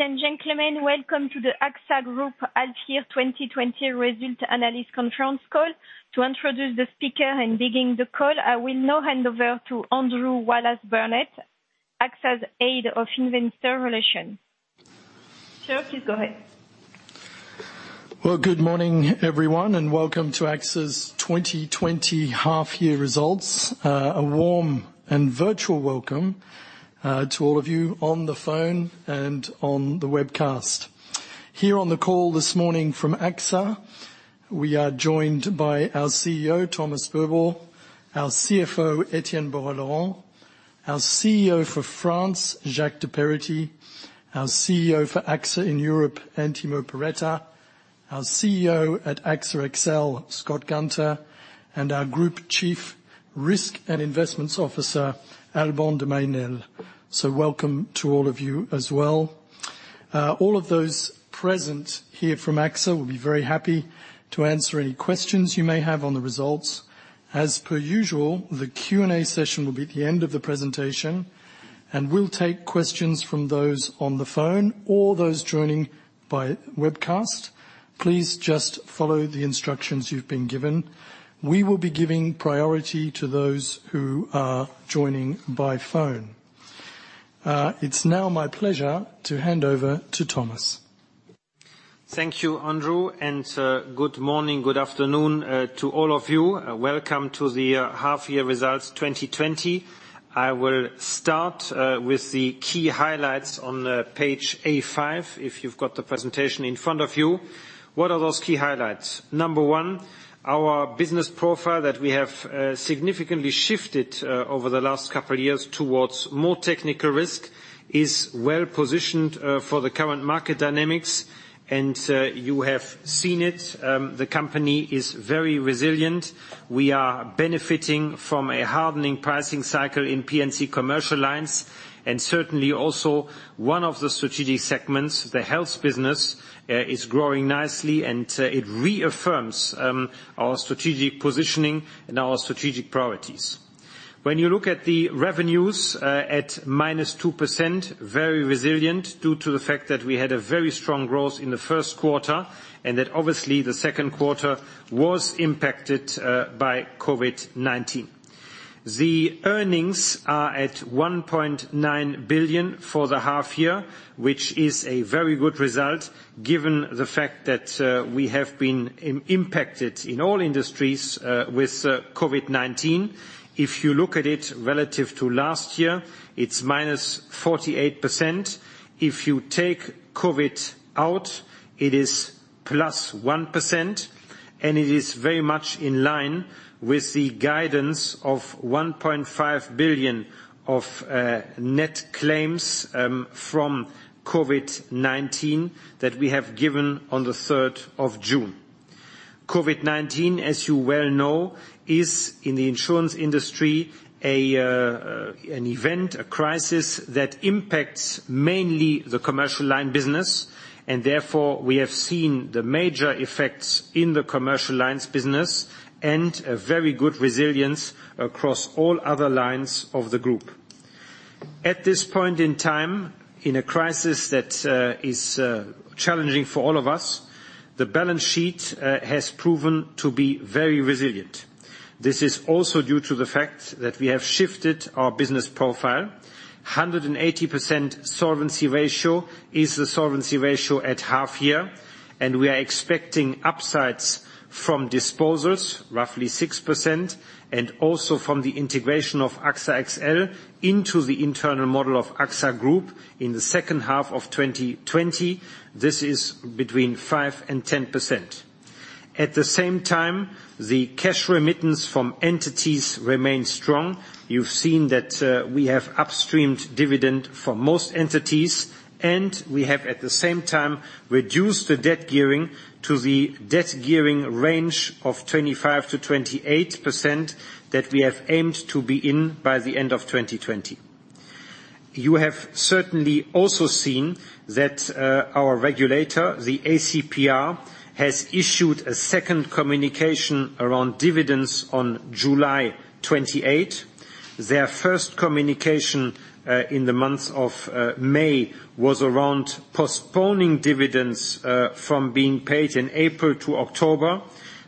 Ladies and gentlemen, welcome to the AXA Group Half Year 2020 Result Analyst Conference Call. To introduce the speaker and begin the call, I will now hand over to Andrew Wallace-Barnett, AXA's Head of Investor Relations. Sir, please go ahead. Good morning, everyone, and welcome to AXA's 2020 half year results. A warm and virtual welcome to all of you on the phone and on the webcast. Here on the call this morning from AXA, we are joined by our CEO, Thomas Buberl, our CFO, Etienne Bouas-Laurent. Our CEO for France, Jacques de Peretti, our CEO for AXA in Europe, Antimo Perretta, our CEO at AXA XL, Scott Gunter, and our Group Chief Risk and Investments Officer, Alban de Mailly Nesle. Welcome to all of you as well. All of those present here from AXA will be very happy to answer any questions you may have on the results. As per usual, the Q&A session will be at the end of the presentation, and we'll take questions from those on the phone or those joining by webcast. Please just follow the instructions you've been given. We will be giving priority to those who are joining by phone. It's now my pleasure to hand over to Thomas. Thank you, Andrew. Good morning, good afternoon to all of you. Welcome to the Half Year Results 2020. I will start with the key highlights on page A5, if you've got the presentation in front of you. What are those key highlights? Number one, our business profile that we have significantly shifted over the last couple of years towards more technical risk is well-positioned for the current market dynamics. You have seen it. The company is very resilient. We are benefiting from a hardening pricing cycle in P&C commercial lines, and certainly also one of the strategic segments, the health business, is growing nicely, and it reaffirms our strategic positioning and our strategic priorities. When you look at the revenues at -2%, very resilient due to the fact that we had a very strong growth in the first quarter, and that obviously the second quarter was impacted by COVID-19. The earnings are at 1.9 billion for the half year, which is a very good result given the fact that we have been impacted in all industries with COVID-19. If you look at it relative to last year, it's -48%. If you take COVID out, it is +1%, and it is very much in line with the guidance of 1.5 billion of net claims from COVID-19 that we have given on the third of June. COVID-19, as you well know, is in the insurance industry, an event, a crisis that impacts mainly the commercial line business, and therefore, we have seen the major effects in the commercial lines business and a very good resilience across all other lines of the group. At this point in time, in a crisis that is challenging for all of us, the balance sheet has proven to be very resilient. This is also due to the fact that we have shifted our business profile. 180% solvency ratio is the solvency ratio at half year, and we are expecting upsides from disposals, roughly 6%, and also from the integration of AXA XL into the internal model of AXA Group in the second half of 2020. This is between 5% and 10%. At the same time, the cash remittance from entities remains strong. You've seen that we have upstreamed dividend for most entities, and we have at the same time reduced the debt gearing to the debt gearing range of 25%-28% that we have aimed to be in by the end of 2020. You have certainly also seen that our regulator, the ACPR, has issued a second communication around dividends on July 28th. Their first communication in the month of May was around postponing dividends from being paid in April to October.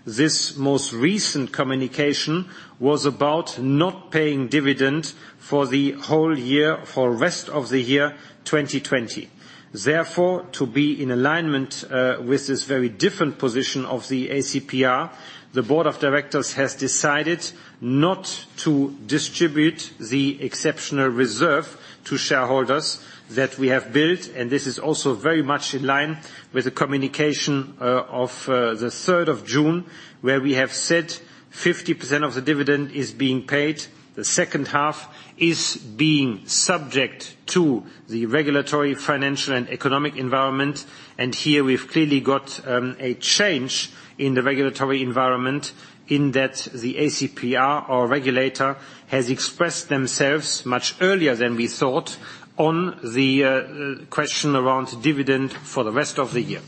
This most recent communication was about not paying dividend for the whole year, for rest of the year 2020. Therefore, to be in alignment with this very different position of the ACPR, the board of directors has decided not to distribute the exceptional reserve to shareholders that we have built, and this is also very much in line with the communication of the third of June, where we have said 50% of the dividend is being paid. The second half is being subject to the regulatory, financial, and economic environment. Here we've clearly got a change in the regulatory environment in that the ACPR or regulator has expressed themselves much earlier than we thought on the question around dividend for the rest of the year.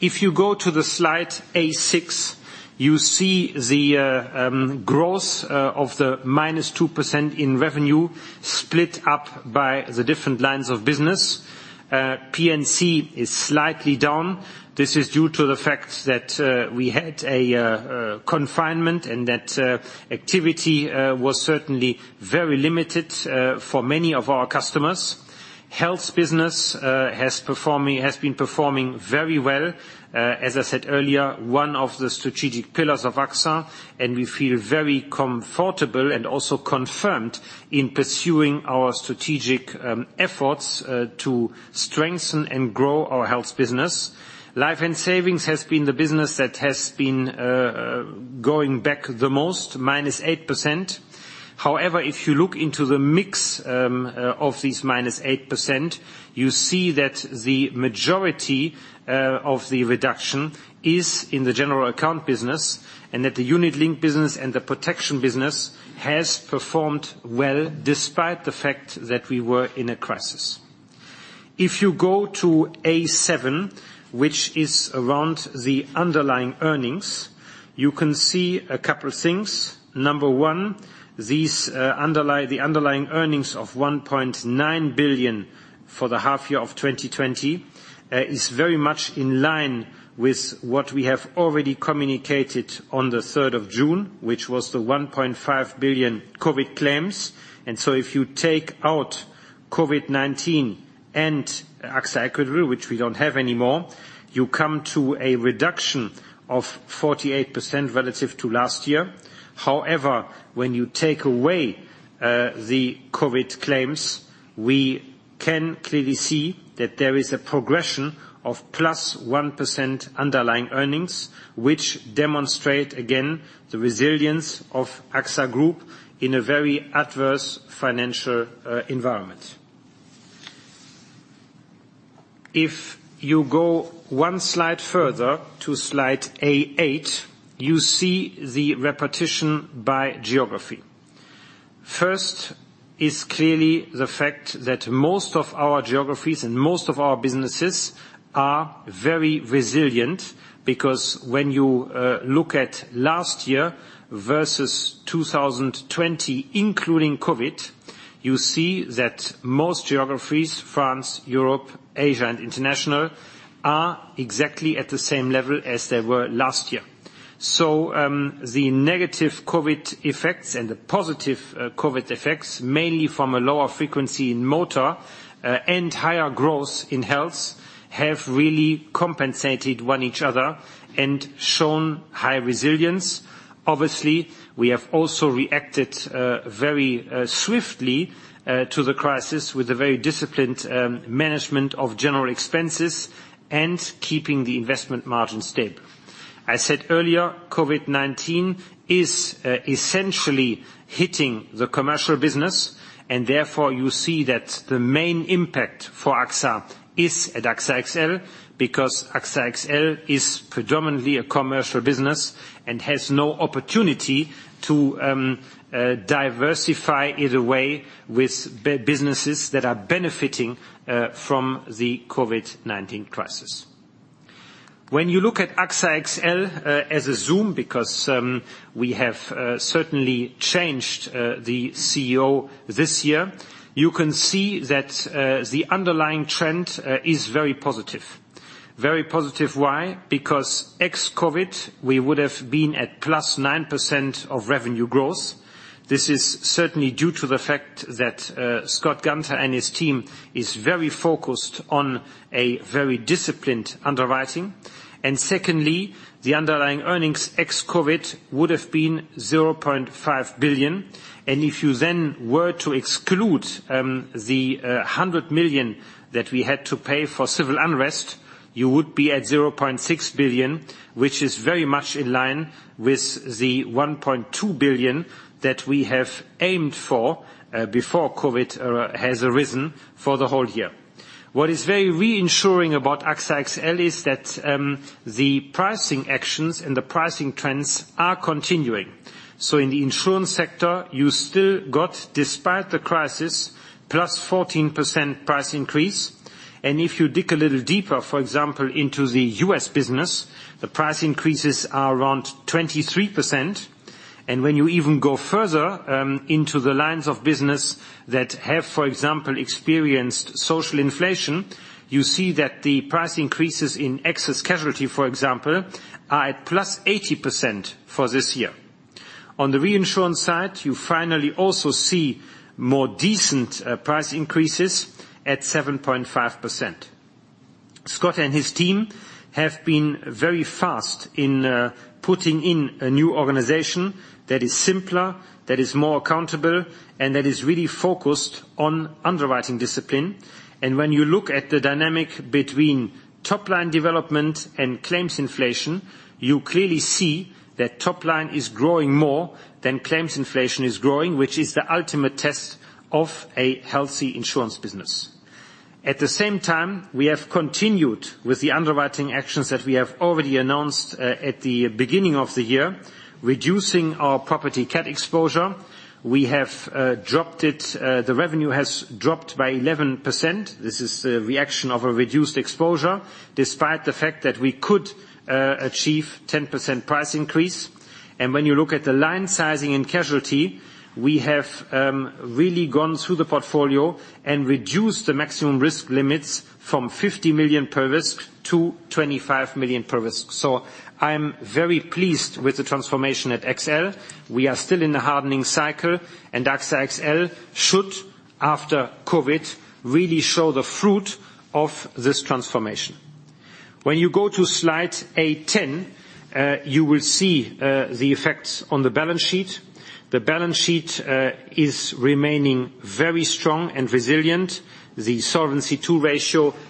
If you go to the slide A6 you see the growth of the -2% in revenue split up by the different lines of business. P&C is slightly down. This is due to the fact that we had a confinement and that activity was certainly very limited for many of our customers. Health business has been performing very well. As I said earlier, one of the strategic pillars of AXA, and we feel very comfortable and also confirmed in pursuing our strategic efforts to strengthen and grow our health business. Life and savings has been the business that has been going back the most, -8%. If you look into the mix of this -8%, you see that the majority of the reduction is in the general account business, and that the unit link business and the protection business has performed well despite the fact that we were in a crisis. If you go to A7, which is around the underlying earnings, you can see a couple things. Number 1, the underlying earnings of 1.9 billion for the half year of 2020 is very much in line with what we have already communicated on the third of June, which was the 1.5 billion COVID claims. If you take out COVID-19 and AXA Equitable, which we don't have anymore, you come to a reduction of 48% relative to last year. When you take away the COVID claims, we can clearly see that there is a progression of +1% underlying earnings, which demonstrate again, the resilience of AXA Group in a very adverse financial environment. You go one slide further to slide A8, you see the repetition by geography. First is clearly the fact that most of our geographies and most of our businesses are very resilient because when you look at last year versus 2020, including COVID, you see that most geographies, France, Europe, Asia, and International are exactly at the same level as they were last year. The negative COVID effects and the positive COVID effects, mainly from a lower frequency in motor and higher growth in health, have really compensated each other and shown high resilience. We have also reacted very swiftly to the crisis with a very disciplined management of general expenses and keeping the investment margin stable. I said earlier, COVID-19 is essentially hitting the commercial business, and therefore you see that the main impact for AXA is at AXA XL, because AXA XL is predominantly a commercial business and has no opportunity to diversify it away with businesses that are benefiting from the COVID-19 crisis. When you look at AXA XL as a zoom, because we have certainly changed the CEO this year, you can see that the underlying trend is very positive. Very positive why? Because ex-COVID, we would have been at +9% of revenue growth. This is certainly due to the fact that Scott Gunter and his team is very focused on a very disciplined underwriting. Secondly, the underlying earnings ex-COVID would have been 0.5 billion. If you then were to exclude the 100 million that we had to pay for civil unrest, you would be at 0.6 billion, which is very much in line with the 1.2 billion that we have aimed for before COVID has arisen for the whole year. What is very reassuring about AXA XL is that the pricing actions and the pricing trends are continuing. In the insurance sector, you still got, despite the crisis, +14% price increase. If you dig a little deeper, for example, into the U.S. business, the price increases are around 23%. When you even go further into the lines of business that have, for example, experienced social inflation, you see that the price increases in excess casualty, for example, are at +80% for this year. On the reinsurance side, you finally also see more decent price increases at 7.5%. Scott and his team have been very fast in putting in a new organization that is simpler, that is more accountable, and that is really focused on underwriting discipline. When you look at the dynamic between top line development and claims inflation, you clearly see that top line is growing more than claims inflation is growing, which is the ultimate test of a healthy insurance business. At the same time, we have continued with the underwriting actions that we have already announced at the beginning of the year, reducing our property cat exposure. The revenue has dropped by 11%. This is a reaction of a reduced exposure, despite the fact that we could achieve 10% price increase. When you look at the line sizing in casualty, we have really gone through the portfolio and reduced the maximum risk limits from 50 million per risk to 25 million per risk. I am very pleased with the transformation at XL. We are still in the hardening cycle and AXA XL should, after COVID, really show the fruit of this transformation. When you go to slide 8.10, you will see the effects on the balance sheet. The balance sheet is remaining very strong and resilient. The Solvency II ratio is at 180% with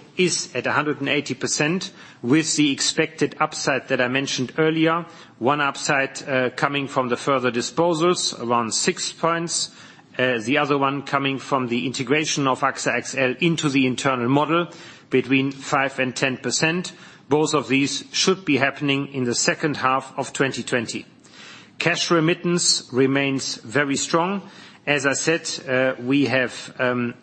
the expected upside that I mentioned earlier. One upside coming from the further disposals, around six points. The other one coming from the integration of AXA XL into the internal model between 5% and 10%. Both of these should be happening in the second half of 2020. Cash remittance remains very strong. As I said, we have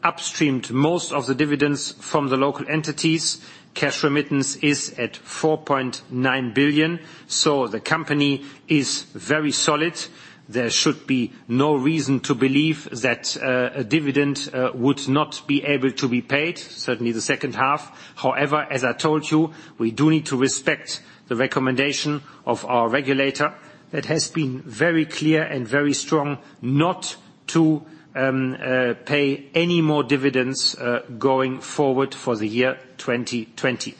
upstreamed most of the dividends from the local entities. Cash remittance is at 4.9 billion. The company is very solid. There should be no reason to believe that a dividend would not be able to be paid, certainly the second half. As I told you, we do need to respect the recommendation of our regulator. That has been very clear and very strong not to pay any more dividends going forward for the year 2020.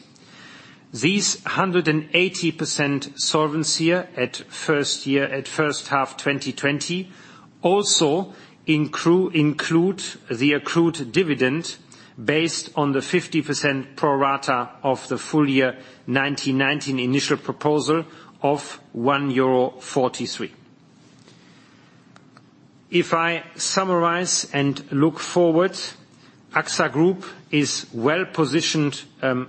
These 180% solvency at first half 2020 also include the accrued dividend based on the 50% pro rata of the full year 2019 initial proposal of 1.43 euro. If I summarize and look forward, AXA Group is well positioned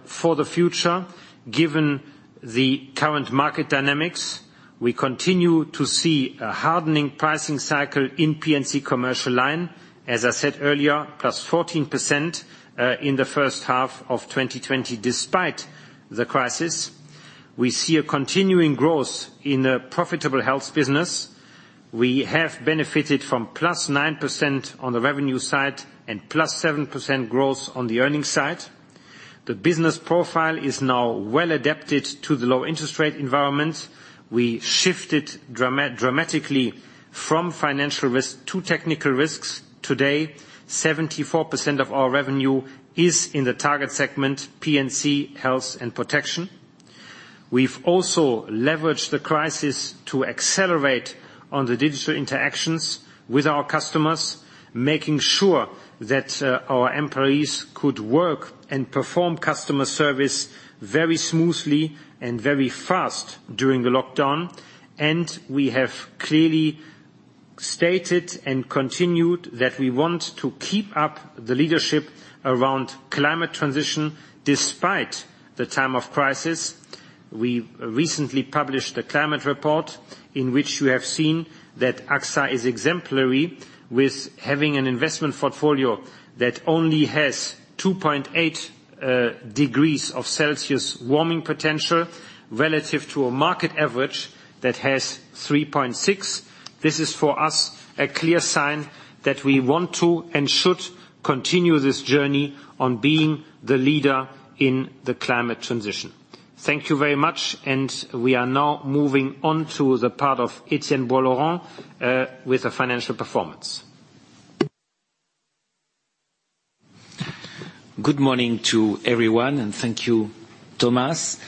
for the future given the current market dynamics. We continue to see a hardening pricing cycle in P&C commercial line, as I said earlier, +14% in the first half of 2020 despite the crisis. We see a continuing growth in the profitable health business. We have benefited from +9% on the revenue side and +7% growth on the earnings side. The business profile is now well adapted to the low interest rate environment. We shifted dramatically from financial risk to technical risks. Today, 74% of our revenue is in the target segment, P&C, health and protection. We've also leveraged the crisis to accelerate on the digital interactions with our customers, making sure that our employees could work and perform customer service very smoothly and very fast during the lockdown. We have clearly stated and continued that we want to keep up the leadership around climate transition despite the time of crisis. We recently published a climate report in which you have seen that AXA is exemplary with having an investment portfolio that only has 2.8 degrees of Celsius warming potential relative to a market average that has 3.6. This is for us a clear sign that we want to and should continue this journey on being the leader in the climate transition. Thank you very much. We are now moving on to the part of Etienne Bouas-Laurent with the financial performance. Good morning to everyone. Thank you, Thomas.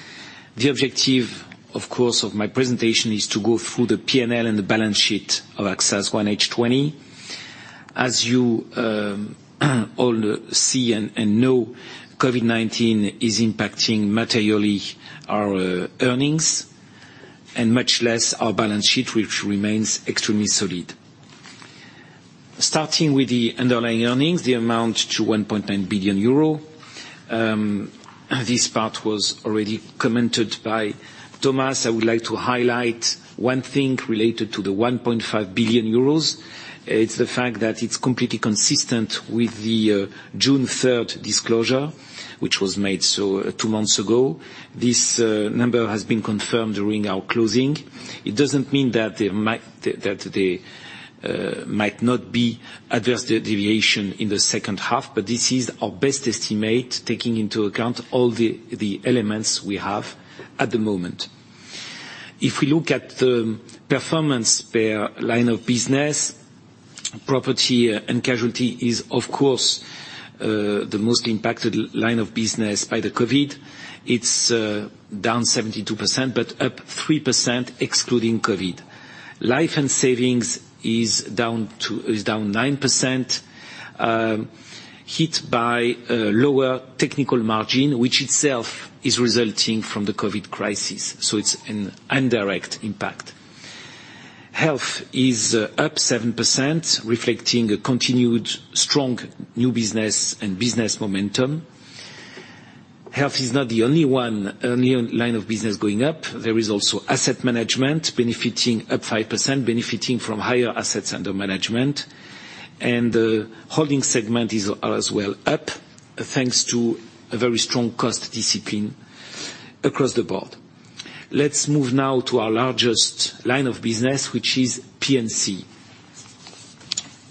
The objective, of course, of my presentation is to go through the P&L and the balance sheet of AXA's H20. As you all see and know, COVID-19 is impacting materially our earnings and much less our balance sheet, which remains extremely solid. Starting with the underlying earnings, they amount to 1.9 billion euro. This part was already commented by Thomas. I would like to highlight one thing related to the 1.5 billion euros. It's the fact that it's completely consistent with the June 3rd disclosure, which was made two months ago. This number has been confirmed during our closing. It doesn't mean that there might not be adverse deviation in the second half, but this is our best estimate taking into account all the elements we have at the moment. If we look at the performance per line of business, property and casualty is, of course, the most impacted line of business by the COVID. It is down 72%, but up 3% excluding COVID. Life and savings is down 9%, hit by a lower technical margin, which itself is resulting from the COVID crisis. It is an indirect impact. Health is up 7%, reflecting a continued strong new business and business momentum. Health is not the only line of business going up. There is also asset management, up 5%, benefiting from higher assets under management. The holding segment is as well up, thanks to a very strong cost discipline across the board. Let's move now to our largest line of business, which is P&C.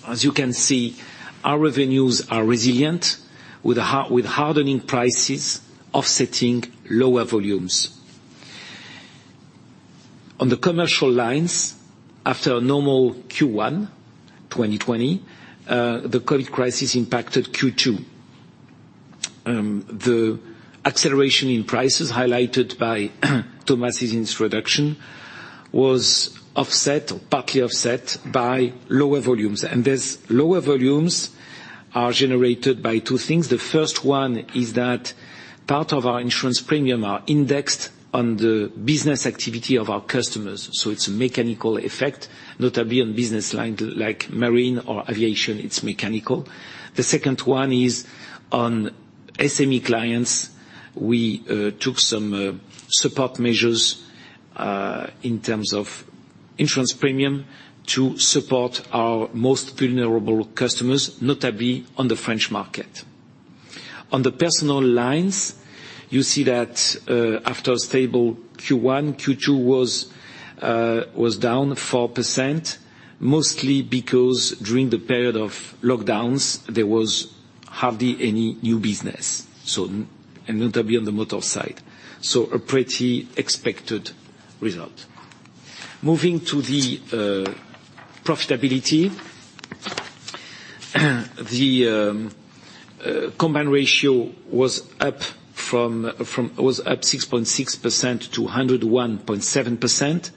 As you can see, our revenues are resilient with hardening prices offsetting lower volumes. On the commercial lines, after a normal Q1 2020, the COVID crisis impacted Q2. The acceleration in prices highlighted by Thomas' introduction was partly offset by lower volumes. These lower volumes are generated by two things. The first one is that part of our insurance premium are indexed on the business activity of our customers. It's a mechanical effect, notably on business line like marine or aviation, it's mechanical. The second one is on SME clients. We took some support measures, in terms of insurance premium, to support our most vulnerable customers, notably on the French market. On the personal lines, you see that after a stable Q1, Q2 was down 4%, mostly because during the period of lockdowns, there was hardly any new business, and notably on the motor side. A pretty expected result. Moving to the profitability. The combined ratio was up 6.6% to 101.7%.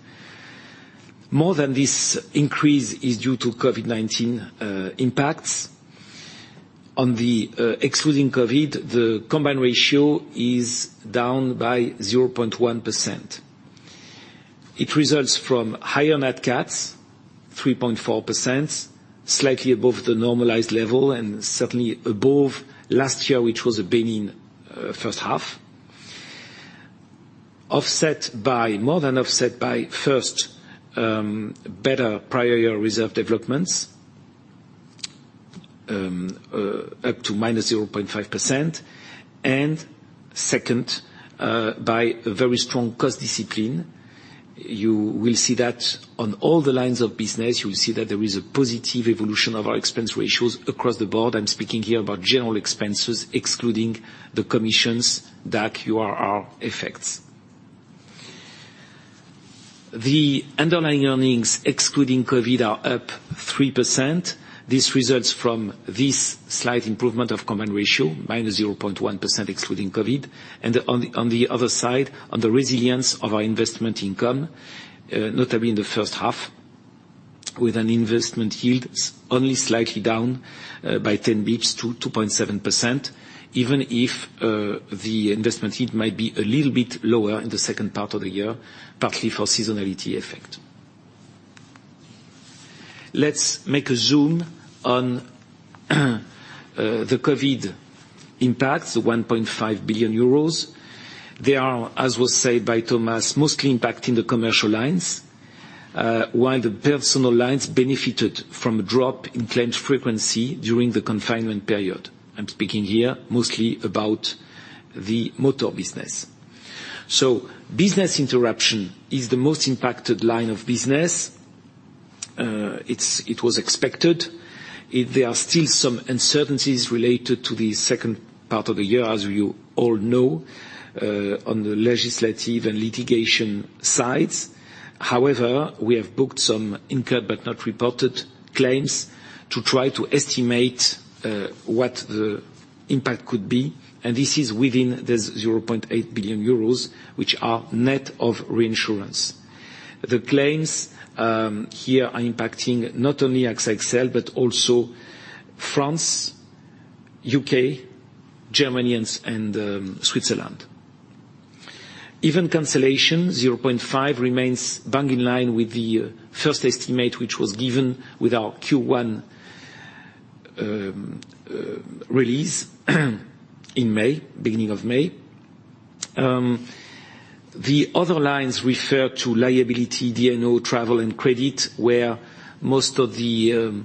More than this increase is due to COVID-19 impacts. Excluding COVID, the combined ratio is down by 0.1%. It results from higher net CATs, 3.4%, slightly above the normalized level and certainly above last year, which was a benign first half. More than offset by, first, better prior year reserve developments, up to -0.5%, and second, by a very strong cost discipline. You will see that on all the lines of business, you will see that there is a positive evolution of our expense ratios across the board. I'm speaking here about general expenses, excluding the commissions, DAC, URR effects. The underlying earnings excluding COVID are up 3%. This results from this slight improvement of combined ratio, -0.1% excluding COVID. On the other side, on the resilience of our investment income, notably in the first half, with an investment yield only slightly down by 10 basis points to 2.7%, even if the investment yield might be a little bit lower in the second part of the year, partly for seasonality effect. Let's make a zoom on the COVID impacts, 1.5 billion euros. They are, as was said by Thomas, mostly impacting the commercial lines, while the personal lines benefited from a drop in claim frequency during the confinement period. I'm speaking here mostly about the motor business. Business interruption is the most impacted line of business. It was expected. There are still some uncertainties related to the second part of the year, as you all know, on the legislative and litigation sides. We have booked some incurred but not reported claims to try to estimate what the impact could be, and this is within this 0.8 billion euros, which are net of reinsurance. The claims here are impacting not only AXA XL, but also France, U.K., Germany, and Switzerland. Event cancellation, 0.5 remains bang in line with the first estimate, which was given with our Q1 release in May, beginning of May. The other lines refer to liability, D&O, travel, and credit, where most of the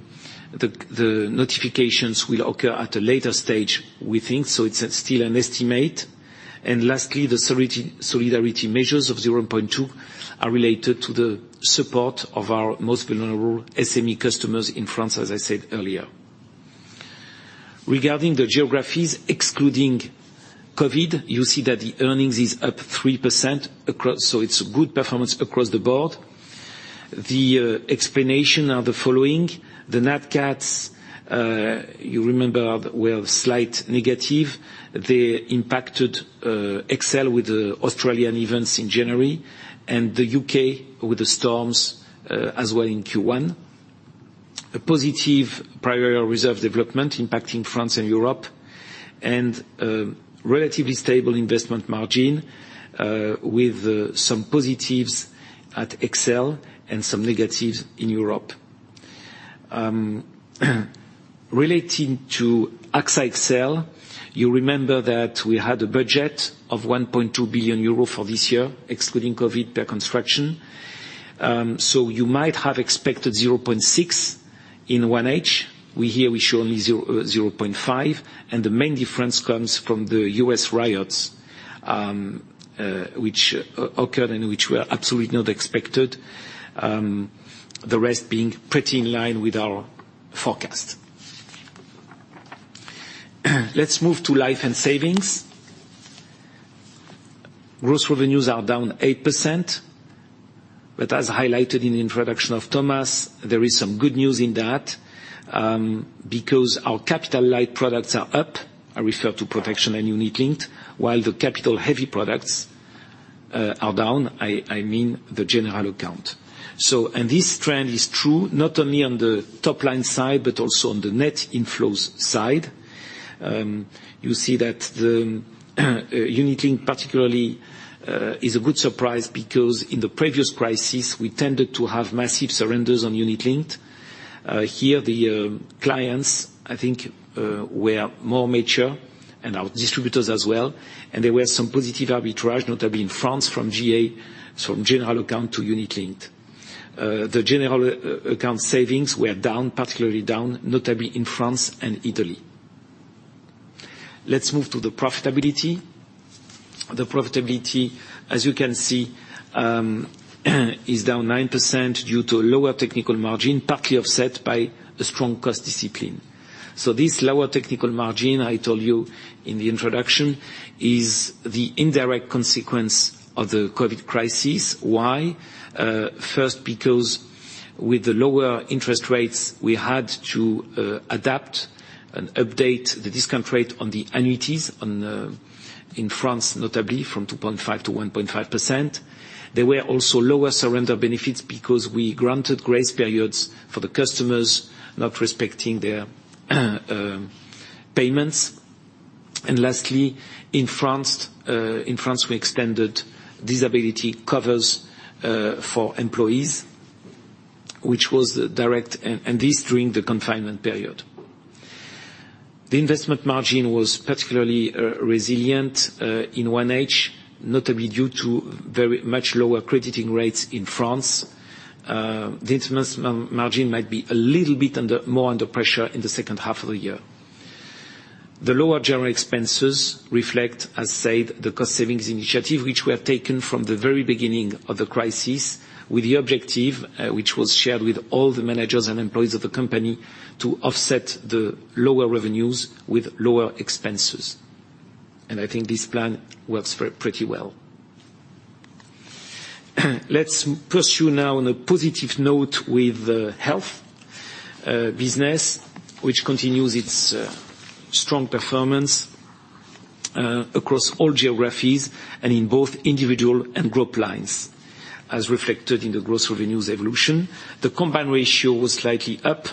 notifications will occur at a later stage, we think. It's still an estimate. Lastly, the solidarity measures of 0.2 are related to the support of our most vulnerable SME customers in France, as I said earlier. Regarding the geographies excluding COVID, you see that the earnings is up 3%, so it's good performance across the board. The explanation are the following. The net CATs, you remember, were slight negative. They impacted XL with the Australian events in January and the U.K. with the storms as well in Q1. A positive prior year reserve development impacting France and Europe, relatively stable investment margin with some positives at XL and some negatives in Europe. Relating to AXA XL, you remember that we had a budget of 1.2 billion euros for this year, excluding COVID per construction. You might have expected 0.6 billion in 1H. Here, we show only 0.5 billion, the main difference comes from the U.S. riots which occurred and which were absolutely not expected. The rest being pretty in line with our forecast. Let's move to life and savings. Gross revenues are down 8%, as highlighted in the introduction of Thomas, there is some good news in that. Our capital light products are up, I refer to protection and unit linked, while the capital heavy products are down, I mean, the general account. This trend is true not only on the top-line side but also on the net inflows side. You see that the unit linked particularly is a good surprise because in the previous crisis, we tended to have massive surrenders on unit linked. Here, the clients, I think, were more mature and our distributors as well, and there were some positive arbitrage, notably in France from GA, from general account to unit linked. The general account savings were particularly down, notably in France and Italy. Let's move to the profitability. The profitability, as you can see, is down 9% due to a lower technical margin, partly offset by a strong cost discipline. This lower technical margin, I told you in the introduction, is the indirect consequence of the COVID crisis. Why? First, because with the lower interest rates, we had to adapt and update the discount rate on the annuities, in France notably from 2.5% to 1.5%. There were also lower surrender benefits because we granted grace periods for the customers not respecting their payments. Lastly, in France, we extended disability covers for employees, which was direct, and this during the confinement period. The investment margin was particularly resilient in one H, notably due to very much lower crediting rates in France. The investment margin might be a little bit more under pressure in the second half of the year. The lower general expenses reflect, as said, the cost savings initiative, which we have taken from the very beginning of the crisis with the objective, which was shared with all the managers and employees of the company, to offset the lower revenues with lower expenses. I think this plan works pretty well. Let's pursue now on a positive note with health business, which continues its strong performance across all geographies and in both individual and group lines, as reflected in the gross revenues evolution. The combined ratio was slightly up,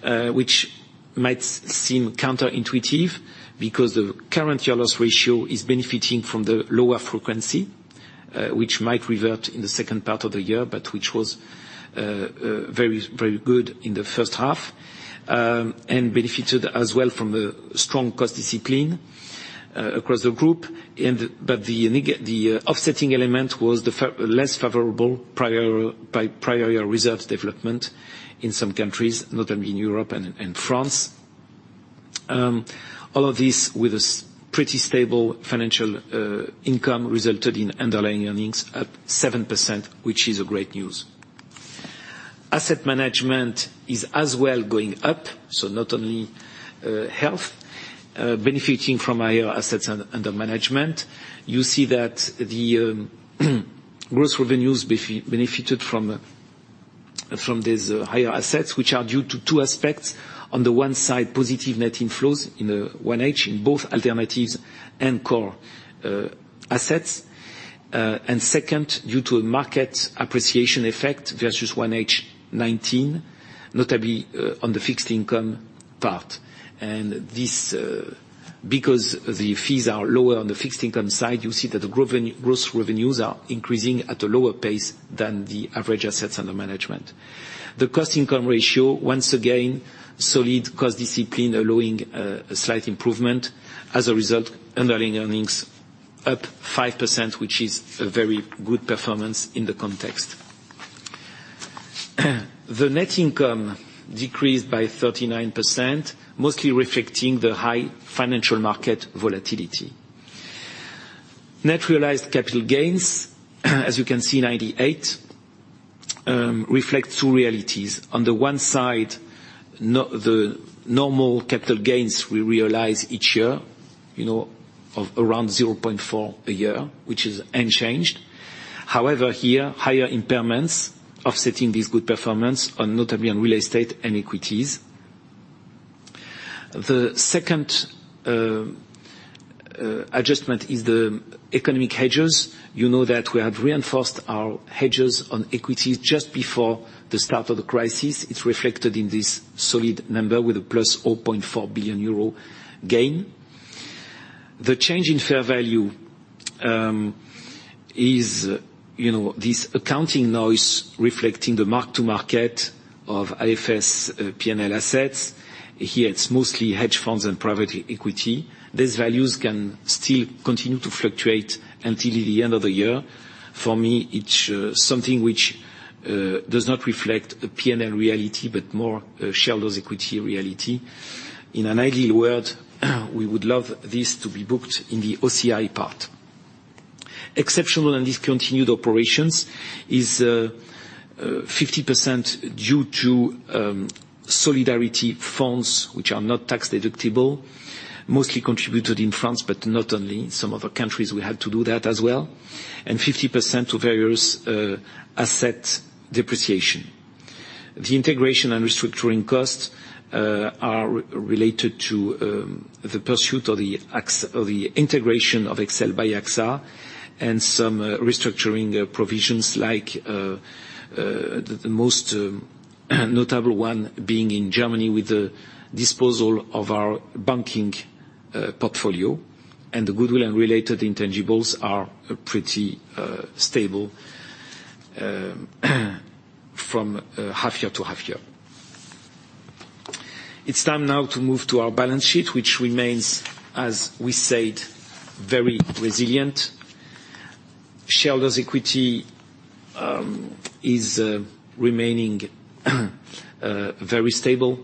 which might seem counterintuitive because the current year loss ratio is benefiting from the lower frequency, which might revert in the second part of the year, but which was very good in the first half, and benefited as well from a strong cost discipline across the group. The offsetting element was the less favorable prior year reserve development in some countries, notably in Europe and France. All of this with a pretty stable financial income resulted in underlying earnings up 7%, which is a great news. Asset management is as well going up, so not only health, benefiting from higher assets under management. You see that the gross revenues benefited from these higher assets, which are due to two aspects. On the one side, positive net inflows in 1H in both alternatives and core assets. Second, due to a market appreciation effect versus 1H 2019, notably on the fixed income part. Because the fees are lower on the fixed income side, you see that the gross revenues are increasing at a lower pace than the average assets under management. The cost income ratio, once again, solid cost discipline allowing a slight improvement. As a result, underlying earnings up 5%, which is a very good performance in the context. The net income decreased by 39%, mostly reflecting the high financial market volatility. Net realized capital gains, as you can see, 98, reflect two realities. On the one side, the normal capital gains we realize each year, of around 0.4 a year, which is unchanged. Here, higher impairments offsetting this good performance on notably on real estate and equities. The second adjustment is the economic hedges. You know that we have reinforced our hedges on equities just before the start of the crisis. It's reflected in this solid number with a plus 4.4 billion euro gain. The change in fair value is this accounting noise reflecting the market to market of IFRS P&L assets. Here, it's mostly hedge funds and private equity. These values can still continue to fluctuate until the end of the year. For me, it's something which does not reflect a P&L reality, but more shareholders' equity reality. In an ideal world, we would love this to be booked in the OCI part. Exceptional and discontinued operations is 50% due to solidarity funds, which are not tax deductible, mostly contributed in France, but not only. In some other countries we had to do that as well, and 50% to various asset depreciation. The integration and restructuring costs are related to the pursuit of the integration of XL by AXA and some restructuring provisions like the most notable one being in Germany with the disposal of our banking portfolio, and the goodwill and related intangibles are pretty stable from half-year to half-year. It's time now to move to our balance sheet, which remains, as we said, very resilient. Shareholders' equity is remaining very stable.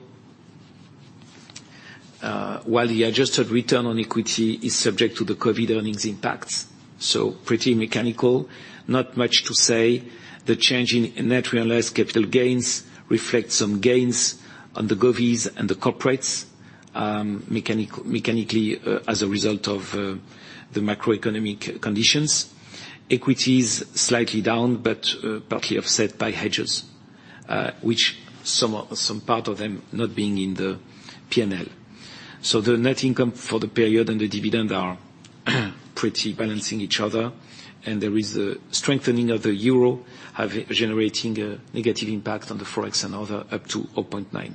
While the adjusted return on equity is subject to the COVID earnings impacts, so pretty mechanical, not much to say. The change in net unrealized capital gains reflect some gains on the govies and the corporates mechanically as a result of the macroeconomic conditions. Equity is slightly down, but partly offset by hedges, which some part of them not being in the P&L. The net income for the period and the dividend are pretty balancing each other, and there is a strengthening of the euro generating a negative impact on the Forex and other up to 0.9.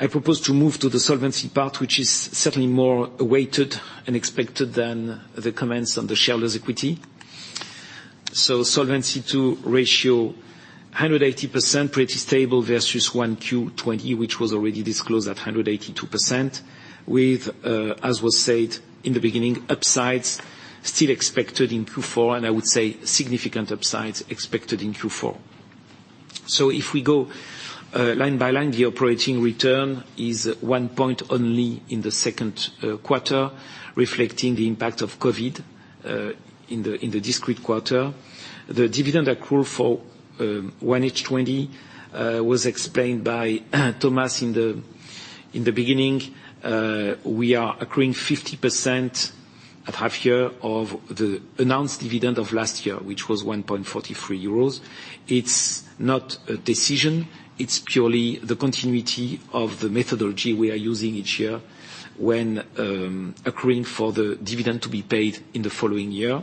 I propose to move to the solvency part, which is certainly more awaited and expected than the comments on the shareholders' equity. Solvency II ratio 180%, pretty stable versus 1Q20, which was already disclosed at 182% with, as was said in the beginning, upsides still expected in Q4, and I would say significant upsides expected in Q4. If we go line by line, the operating return is one point only in the second quarter, reflecting the impact of COVID in the discrete quarter. The dividend accrual for 1H20 was explained by Thomas in the beginning. We are accruing 50% at half year of the announced dividend of last year, which was €1.43. It's not a decision, it's purely the continuity of the methodology we are using each year when accruing for the dividend to be paid in the following year.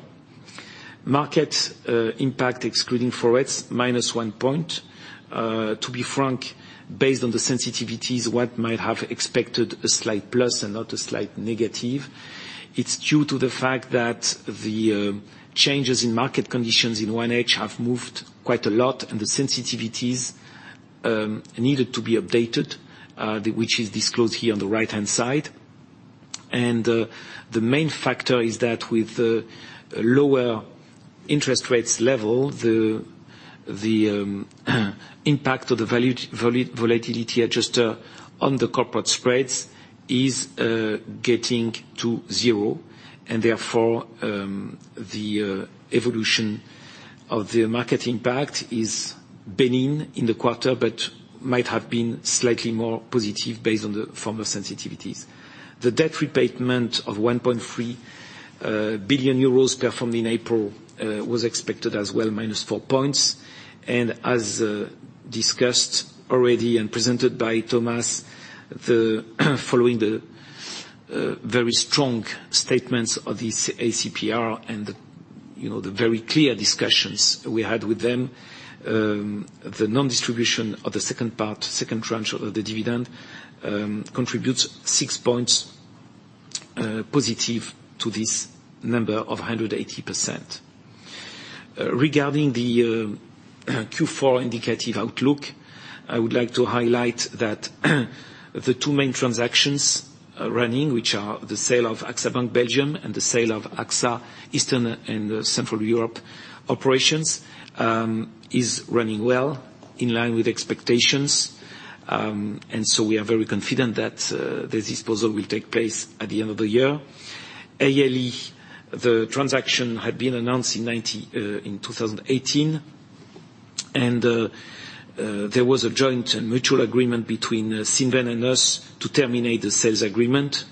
Market impact excluding Forex, minus one point. To be frank, based on the sensitivities, one might have expected a slight plus and not a slight negative. It's due to the fact that the changes in market conditions in 1H have moved quite a lot, and the sensitivities needed to be updated, which is disclosed here on the right-hand side. The main factor is that with lower interest rates level, the impact of the volatility adjuster on the corporate spreads is getting to zero and therefore, the evolution of the market impact is benign in the quarter but might have been slightly more positive based on the former sensitivities. The debt repayment of 1.3 billion euros performed in April was expected as well, -4 points. As discussed already and presented by Thomas, following the very strong statements of the ACPR and the very clear discussions we had with them, the non-distribution of the second part, second tranche of the dividend contributes +6 points to this number of 180%. Regarding the Q4 indicative outlook, I would like to highlight that the two main transactions running, which are the sale of AXA Bank Belgium and the sale of AXA Central and Eastern Europe operations is running well, in line with expectations. We are very confident that the disposal will take place at the end of the year. ALE, the transaction had been announced in 2018, and there was a joint and mutual agreement between Cinven and us to terminate the sales agreement.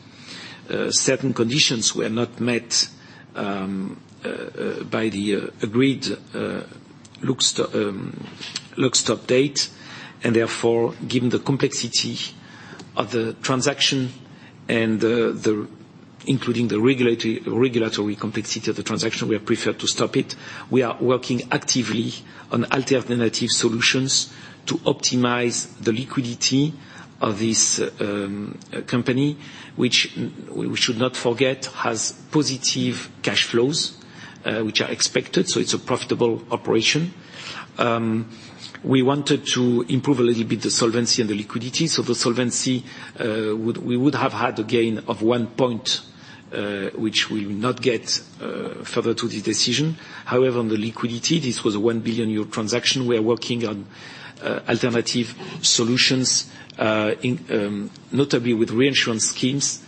Certain conditions were not met by the agreed terms. Given the complexity of the transaction, including the regulatory complexity of the transaction, we have preferred to stop it. We are working actively on alternative solutions to optimize the liquidity of this company, which we should not forget, has positive cash flows, which are expected. It's a profitable operation. We wanted to improve a little bit, the solvency and the liquidity. The solvency, we would have had a gain of one point, which we will not get further to the decision. However, on the liquidity, this was a 1 billion euro transaction. We are working on alternative solutions, notably with reinsurance schemes,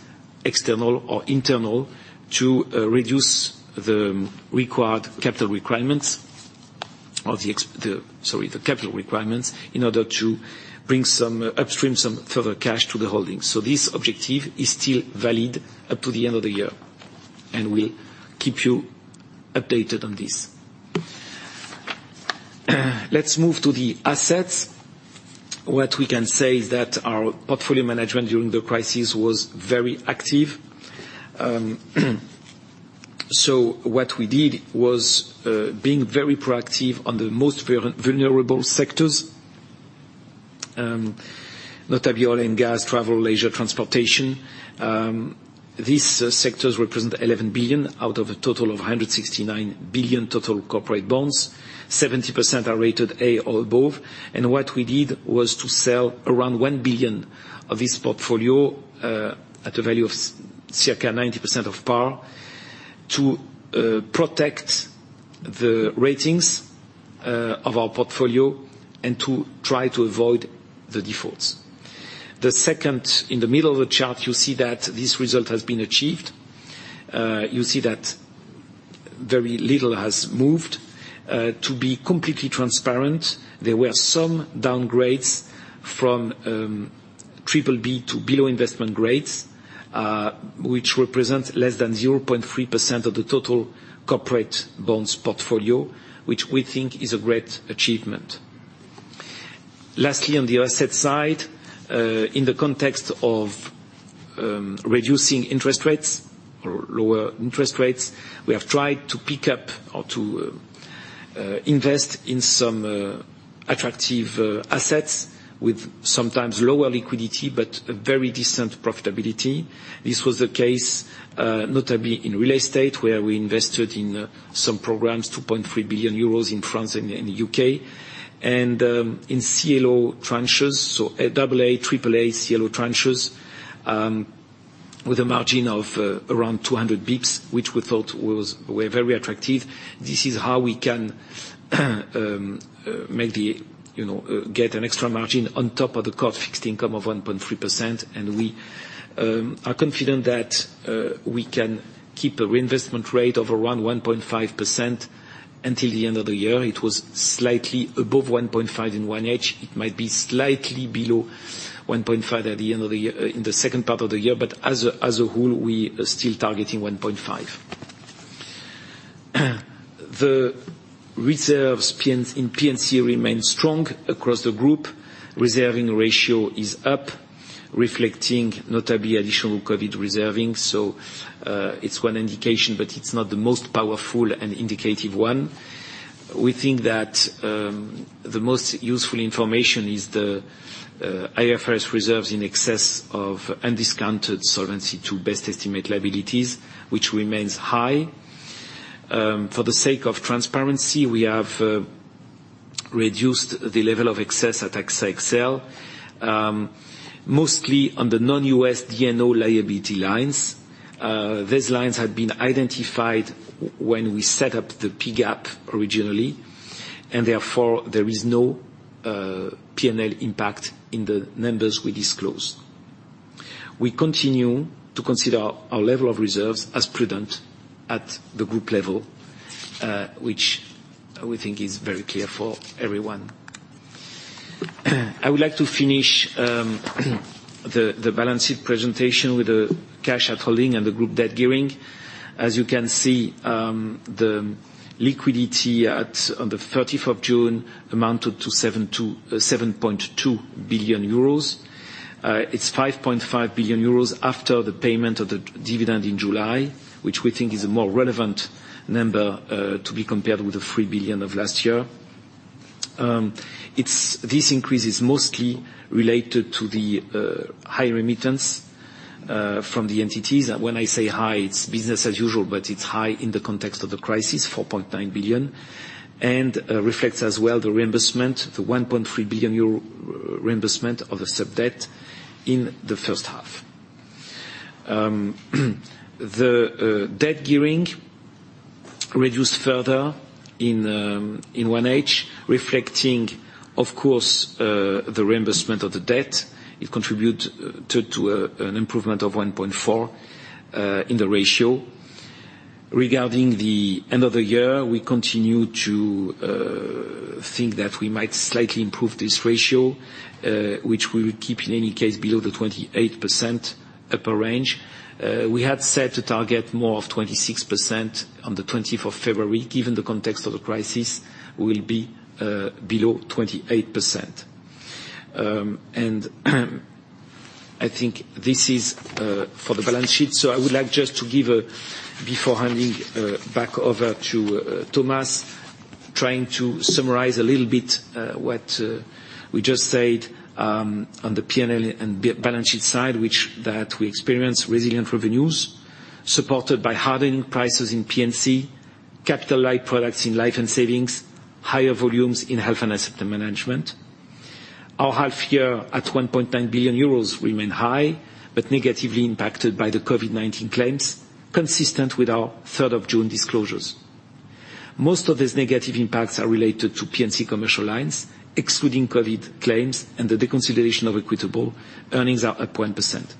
external or internal, to reduce the required capital requirements in order to bring some upstream, some further cash to the holdings. This objective is still valid up to the end of the year, and we keep you updated on this. Let's move to the assets. What we can say is that our portfolio management during the crisis was very active. What we did was being very proactive on the most vulnerable sectors, notably oil and gas, travel, leisure, transportation. These sectors represent 11 billion out of a total of 169 billion total corporate bonds. 70% are rated A or above. What we did was to sell around 1 billion of this portfolio, at a value of circa 90% of par, to protect the ratings of our portfolio and to try to avoid the defaults. The second, in the middle of the chart, you see that this result has been achieved. You see that very little has moved. To be completely transparent, there were some downgrades from BBB to below investment grades, which represent less than 0.3% of the total corporate bonds portfolio, which we think is a great achievement. Lastly, on the asset side, in the context of reducing interest rates or lower interest rates, we have tried to pick up or to invest in some attractive assets with sometimes lower liquidity, but a very decent profitability. This was the case notably in real estate, where we invested in some programs, 2.3 billion euros in France and the U.K. In CLO tranches, so AA, AAA CLO tranches, with a margin of around 200 basis points, which we thought were very attractive. This is how we can get an extra margin on top of the core fixed income of 1.3%. We are confident that we can keep a reinvestment rate of around 1.5% until the end of the year. It was slightly above 1.5% in 1H. It might be slightly below 1.5% in the second part of the year, but as a whole, we are still targeting 1.5%. The reserves in P&C remain strong across the group. Reserving ratio is up, reflecting notably additional COVID reserving. It's one indication, but it's not the most powerful and indicative one. We think that the most useful information is the IFRS reserves in excess of undiscounted Solvency II best estimate liabilities, which remains high. For the sake of transparency, we have reduced the level of excess at AXA XL, mostly on the non-U.S. D&O liability lines. These lines had been identified when we set up the PGAAP originally, therefore there is no P&L impact in the numbers we disclose. We continue to consider our level of reserves as prudent at the group level, which we think is very clear for everyone. I would like to finish the balance sheet presentation with the cash at holding and the group debt gearing. As you can see, the liquidity on the 30th of June amounted to 7.2 billion euros. It's 5.5 billion euros after the payment of the dividend in July, which we think is a more relevant number to be compared with the 3 billion of last year. This increase is mostly related to the high remittance from the entities. When I say high, it's business as usual, but it's high in the context of the crisis, 4.9 billion, and reflects as well the reimbursement, the 1.3 billion euro reimbursement of the sub-debt in the 1H. The debt gearing reduced further in 1H, reflecting, of course, the reimbursement of the debt. It contributed to an improvement of 1.4 in the ratio. Regarding the end of the year, we continue to think that we might slightly improve this ratio, which we will keep in any case below the 28% upper range. We had set a target more of 26% on the 20th of February. Given the context of the crisis, we will be below 28%. I think this is for the balance sheet. I would like just to give, before handing back over to Thomas, trying to summarize a little bit what we just said on the P&L and balance sheet side, which that we experience resilient revenues supported by hardening prices in P&C, capital light products in life and savings, higher volumes in health and asset management. Our half year at 1.9 billion euros remain high, but negatively impacted by the COVID-19 claims, consistent with our third of June disclosures. Most of these negative impacts are related to P&C commercial lines, excluding COVID claims and the deconsolidation of Equitable, earnings are up 1%.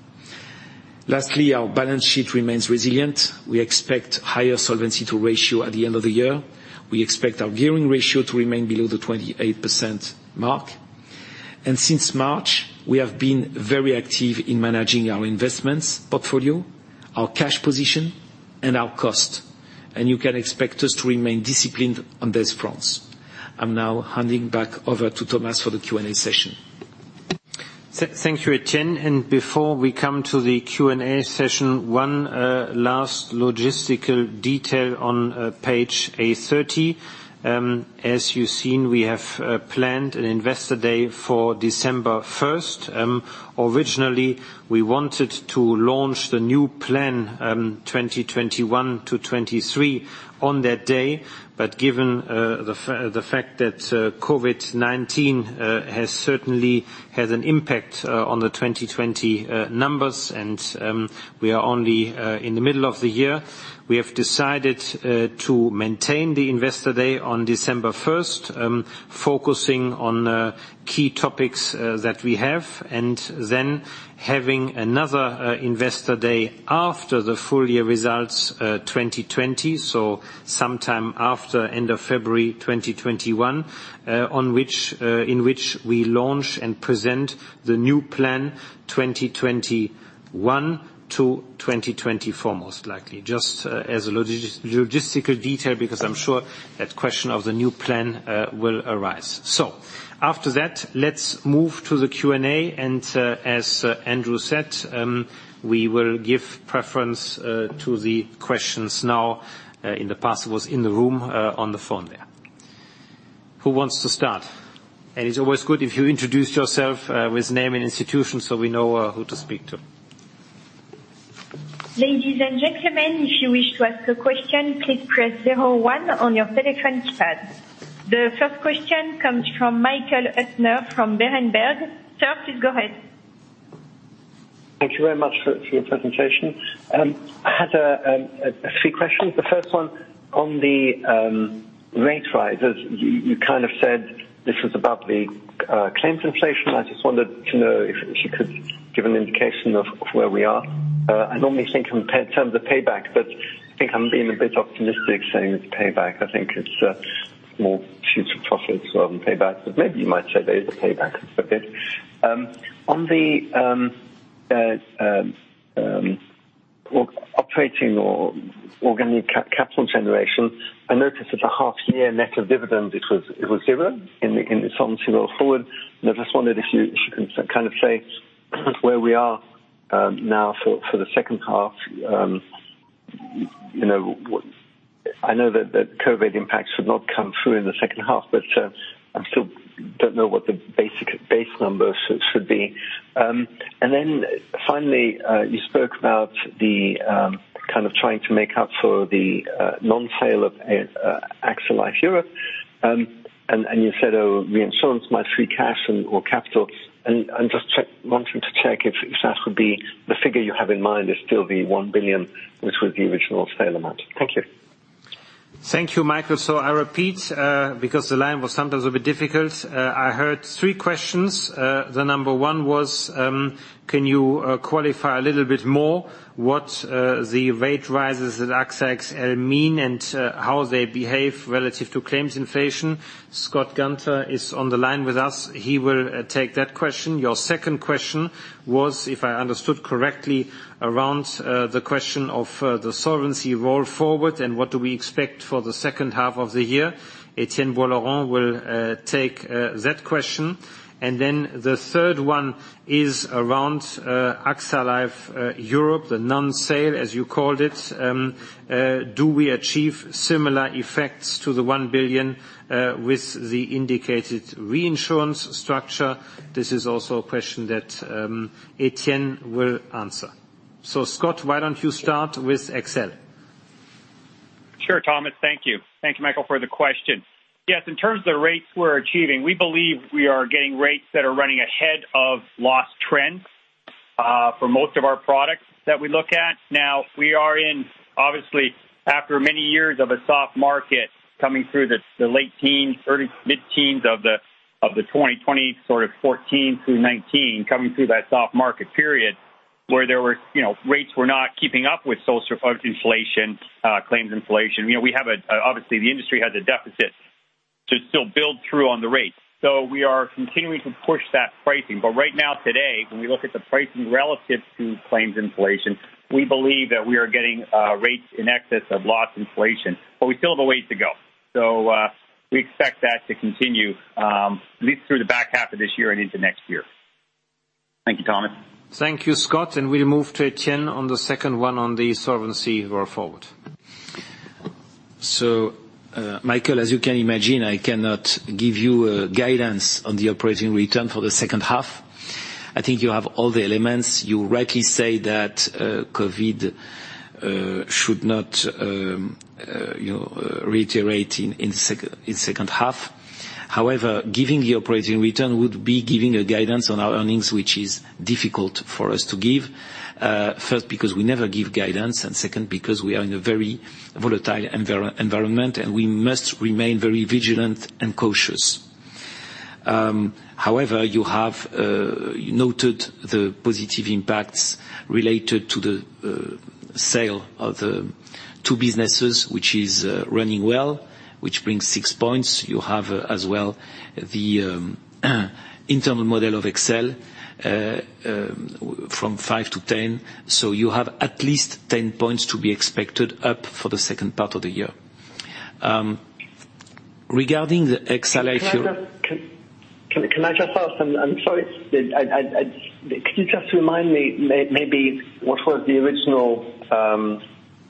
Lastly, our balance sheet remains resilient. We expect higher Solvency II ratio at the end of the year. We expect our gearing ratio to remain below the 28% mark. Since March, we have been very active in managing our investments portfolio, our cash position and our cost. You can expect us to remain disciplined on this front. I'm now handing back over to Thomas for the Q&A session. Thank you, Etienne. Before we come to the Q&A session, one last logistical detail on page 830. As you've seen, we have planned an Investor Day for December 1st. Originally, we wanted to launch the new plan 2021 to 2023 on that day. Given the fact that COVID-19 has certainly had an impact on the 2020 numbers and we are only in the middle of the year, we have decided to maintain the Investor Day on December 1st, focusing on key topics that we have, and then having another Investor Day after the full year results 2020, sometime after end of February 2021, in which we launch and present the new plan 2021 to 2024, most likely. Just as a logistical detail, because I'm sure that question of the new plan will arise. After that, let's move to the Q&A, and as Andrew said, we will give preference to the questions now in the past was in the room, on the phone there. Who wants to start? It's always good if you introduce yourself with name and institution so we know who to speak to. Ladies and gentlemen, if you wish to ask a question, please press zero one on your telephone keypad. The first question comes from Michael Huttner from Berenberg. Sir, please go ahead. Thank you very much for your presentation. I had three questions. The first one on the rate rises. You kind of said this was about the claims inflation. I just wanted to know if you could give an indication of where we are. I normally think in terms of payback, but I think I'm being a bit optimistic saying it's payback. I think it's more future profits rather than payback. Maybe you might say there is a payback a bit. On the operating or organic capital generation, I noticed that the half year net of dividend, it was zero in the solvency roll forward. I just wondered if you can kind of say where we are now for the second half. I know that the COVID impacts should not come through in the second half. I still don't know what the base number should be. Finally, you spoke about the kind of trying to make up for the non-sale of AXA Life Europe. You said reinsurance might free cash or capital. I'm just wanting to check if that would be the figure you have in mind is still the 1 billion, which was the original sale amount. Thank you. Thank you, Michael. I repeat, because the line was sometimes a bit difficult. I heard three questions. The number one was, can you qualify a little bit more what the rate rises at AXA XL mean and how they behave relative to claims inflation? Scott Gunter is on the line with us. He will take that question. Your second question was, if I understood correctly, around the question of the solvency roll forward and what do we expect for the second half of the year. Etienne Bouas-Laurent will take that question. The third one is around AXA Life Europe, the non-sale, as you called it. Do we achieve similar effects to the 1 billion, with the indicated reinsurance structure? This is also a question that Etienne will answer. Scott, why don't you start with XL? Sure, Thomas. Thank you. Thank you, Michael, for the question. In terms of the rates we're achieving, we believe we are getting rates that are running ahead of loss trends, for most of our products that we look at. We are in, obviously, after many years of a soft market coming through the late teens, early mid-teens of the 2020, sort of 2014 through 2019, coming through that soft market period where rates were not keeping up with social inflation, claims inflation. Obviously, the industry has a deficit to still build through on the rates. We are continuing to push that pricing. Right now, today, when we look at the pricing relative to claims inflation, we believe that we are getting rates in excess of loss inflation. We still have a way to go. We expect that to continue, at least through the back half of this year and into next year. Thank you, Thomas. Thank you, Scott. We'll move to Etienne on the second one on the solvency going forward. Michael, as you can imagine, I cannot give you guidance on the operating return for the second half. I think you have all the elements. You rightly say that COVID should not reiterate in second half. Giving the operating return would be giving a guidance on our earnings, which is difficult for us to give, first, because we never give guidance, and second, because we are in a very volatile environment, and we must remain very vigilant and cautious. You have noted the positive impacts related to the sale of the two businesses, which is running well, which brings six points. You have as well the internal model of AXA XL from 5 to 10. You have at least 10 points to be expected up for the second part of the year. Regarding the AXA XL- Can I just ask, I'm sorry. Could you just remind me maybe what was the original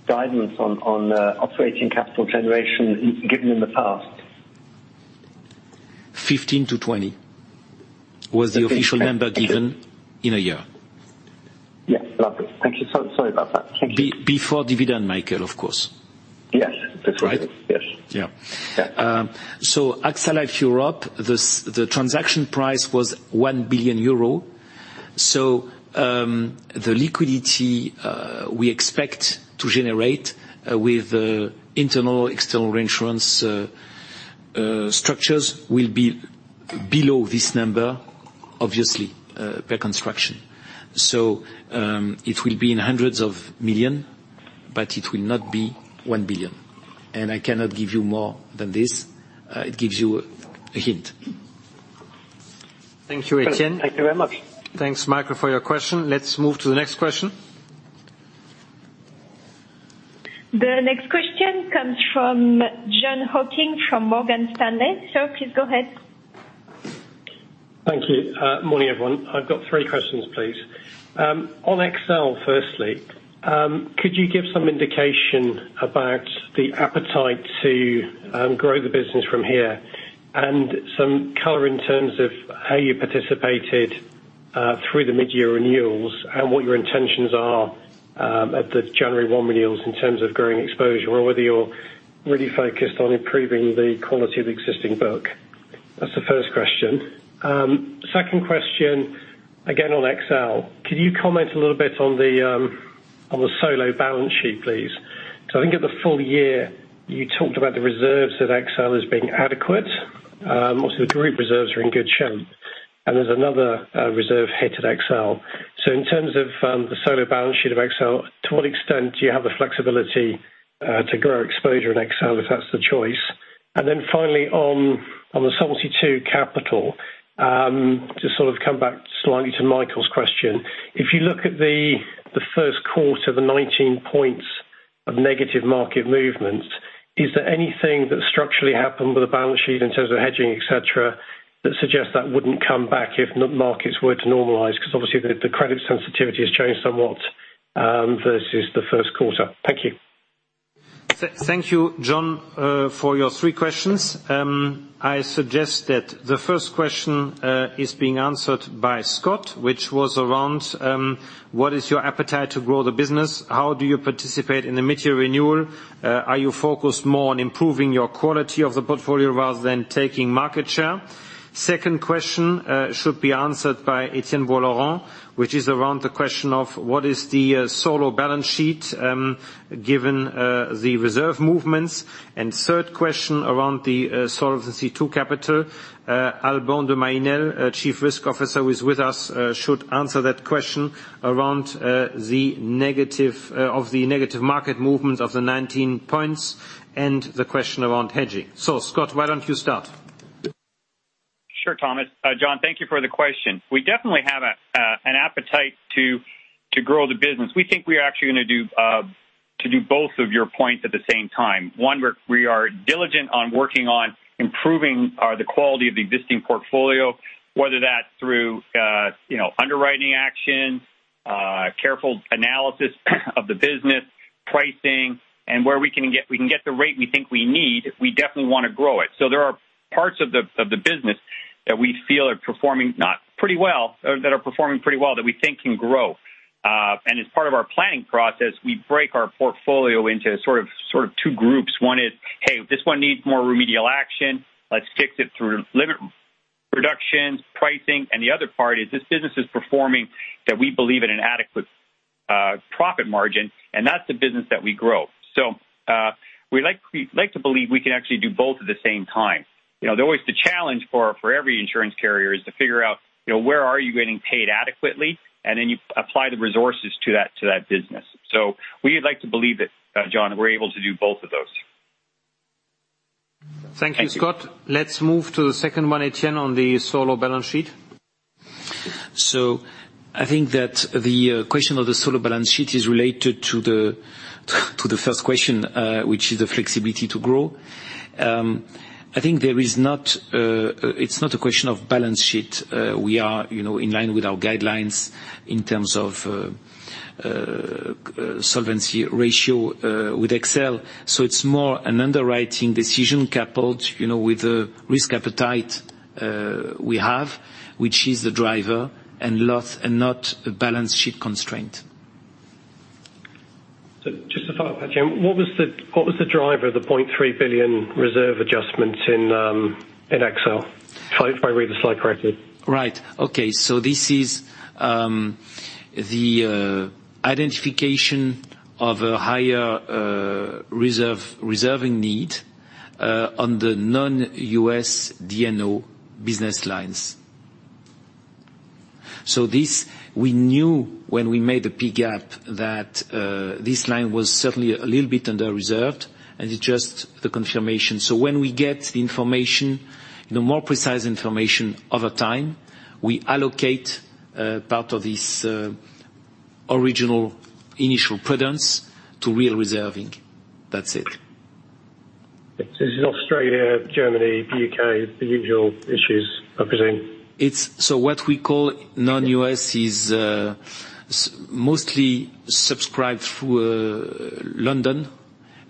guidance on operating capital generation given in the past? 15 to 20 was the official number given in a year. Yes. Lovely. Thank you. Sorry about that. Thank you. Before dividend, Michael, of course. Yes. That's right. Yes. Yeah. Yeah. AXA Life Europe, the transaction price was 1 billion euro. The liquidity we expect to generate with internal or external reinsurance structures will be below this number, obviously, per construction. It will be in hundreds of million, but it will not be 1 billion. I cannot give you more than this. It gives you a hint. Thank you, Etienne. Thank you very much. Thanks, Michael, for your question. Let's move to the next question. The next question comes from Jon Hocking from Morgan Stanley. Sir, please go ahead. Thank you. Morning, everyone. I've got three questions, please. On AXA XL, firstly, could you give some indication about the appetite to grow the business from here and some color in terms of how you participated through the mid-year renewals and what your intentions are at the January 1 renewals in terms of growing exposure or whether you're really focused on improving the quality of existing book? That's the first question. Second question, again, on AXA XL. Can you comment a little bit on the solo balance sheet, please? I think at the full year, you talked about the reserves at AXA XL as being adequate. Also, the group reserves are in good shape, and there's another reserve hit at AXA XL. In terms of the solo balance sheet of AXA XL, to what extent do you have the flexibility to grow exposure in AXA XL, if that's the choice? Finally on the Solvency II capital, to sort of come back slightly to Michael's question. If you look at the first quarter, the 19 points of negative market movements, is there anything that structurally happened with the balance sheet in terms of hedging, et cetera, that suggests that wouldn't come back if markets were to normalize? Because obviously the credit sensitivity has changed somewhat versus the first quarter. Thank you. Thank you, Jon, for your three questions. I suggest that the first question is being answered by Scott, which was around what is your appetite to grow the business? How do you participate in the mid-year renewal? Are you focused more on improving your quality of the portfolio rather than taking market share? Second question should be answered by Etienne Bouas-Laurent, which is around the question of what is the solo balance sheet given the reserve movements? Third question around the Solvency II capital. Alban de Mailly Nesle, Chief Risk Officer, who is with us should answer that question around of the negative market movement of the 19 points and the question around hedging. Scott, why don't you start? Sure, Thomas. Jon, thank you for the question. We definitely have an appetite to grow the business. We think we are actually going to do both of your points at the same time. One, we are diligent on working on improving the quality of the existing portfolio, whether that's through underwriting action, careful analysis of the business, pricing, and where we can get the rate we think we need, we definitely want to grow it. There are parts of the business that we feel are performing pretty well that we think can grow. As part of our planning process, we break our portfolio into sort of two groups. One is, hey, this one needs more remedial action. Let's fix it through limit reductions, pricing. The other part is this business is performing that we believe at an adequate profit margin, and that's the business that we grow. We like to believe we can actually do both at the same time. Always the challenge for every insurance carrier is to figure out where are you getting paid adequately, and then you apply the resources to that business. We would like to believe that, Jon, we're able to do both of those. Thank you, Scott. Let's move to the second one, Etienne, on the solo balance sheet. I think that the question of the solo balance sheet is related to the first question, which is the flexibility to grow. I think it's not a question of balance sheet. We are in line with our guidelines in terms of solvency ratio with XL. It's more an underwriting decision coupled with the risk appetite we have, which is the driver, and not a balance sheet constraint. Just to follow up, Etienne, what was the driver of the 0.3 billion reserve adjustments in XL, if I read the slide correctly? Right. Okay. This is the identification of a higher reserving need on the non-U.S. D&O business lines. This, we knew when we made the PGAAP that this line was certainly a little bit under-reserved, and it's just the confirmation. When we get the more precise information over time, we allocate part of this original initial prudence to real reserving. That's it. This is Australia, Germany, U.K., the usual issues, I presume. What we call non-U.S. is mostly subscribed through London,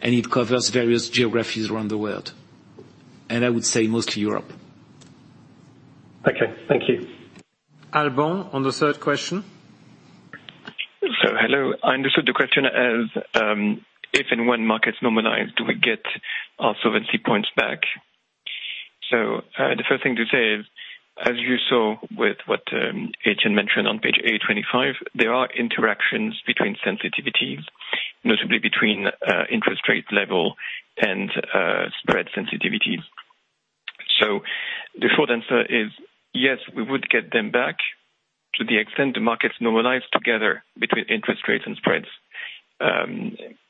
and it covers various geographies around the world. I would say mostly Europe. Okay. Thank you. Alban on the third question. Hello. I understood the question as if and when markets normalize, do we get our solvency points back? The first thing to say is, as you saw with what Etienne mentioned on page A25, there are interactions between sensitivities, notably between interest rate level and spread sensitivity. The short answer is yes, we would get them back to the extent the markets normalize together between interest rates and spreads.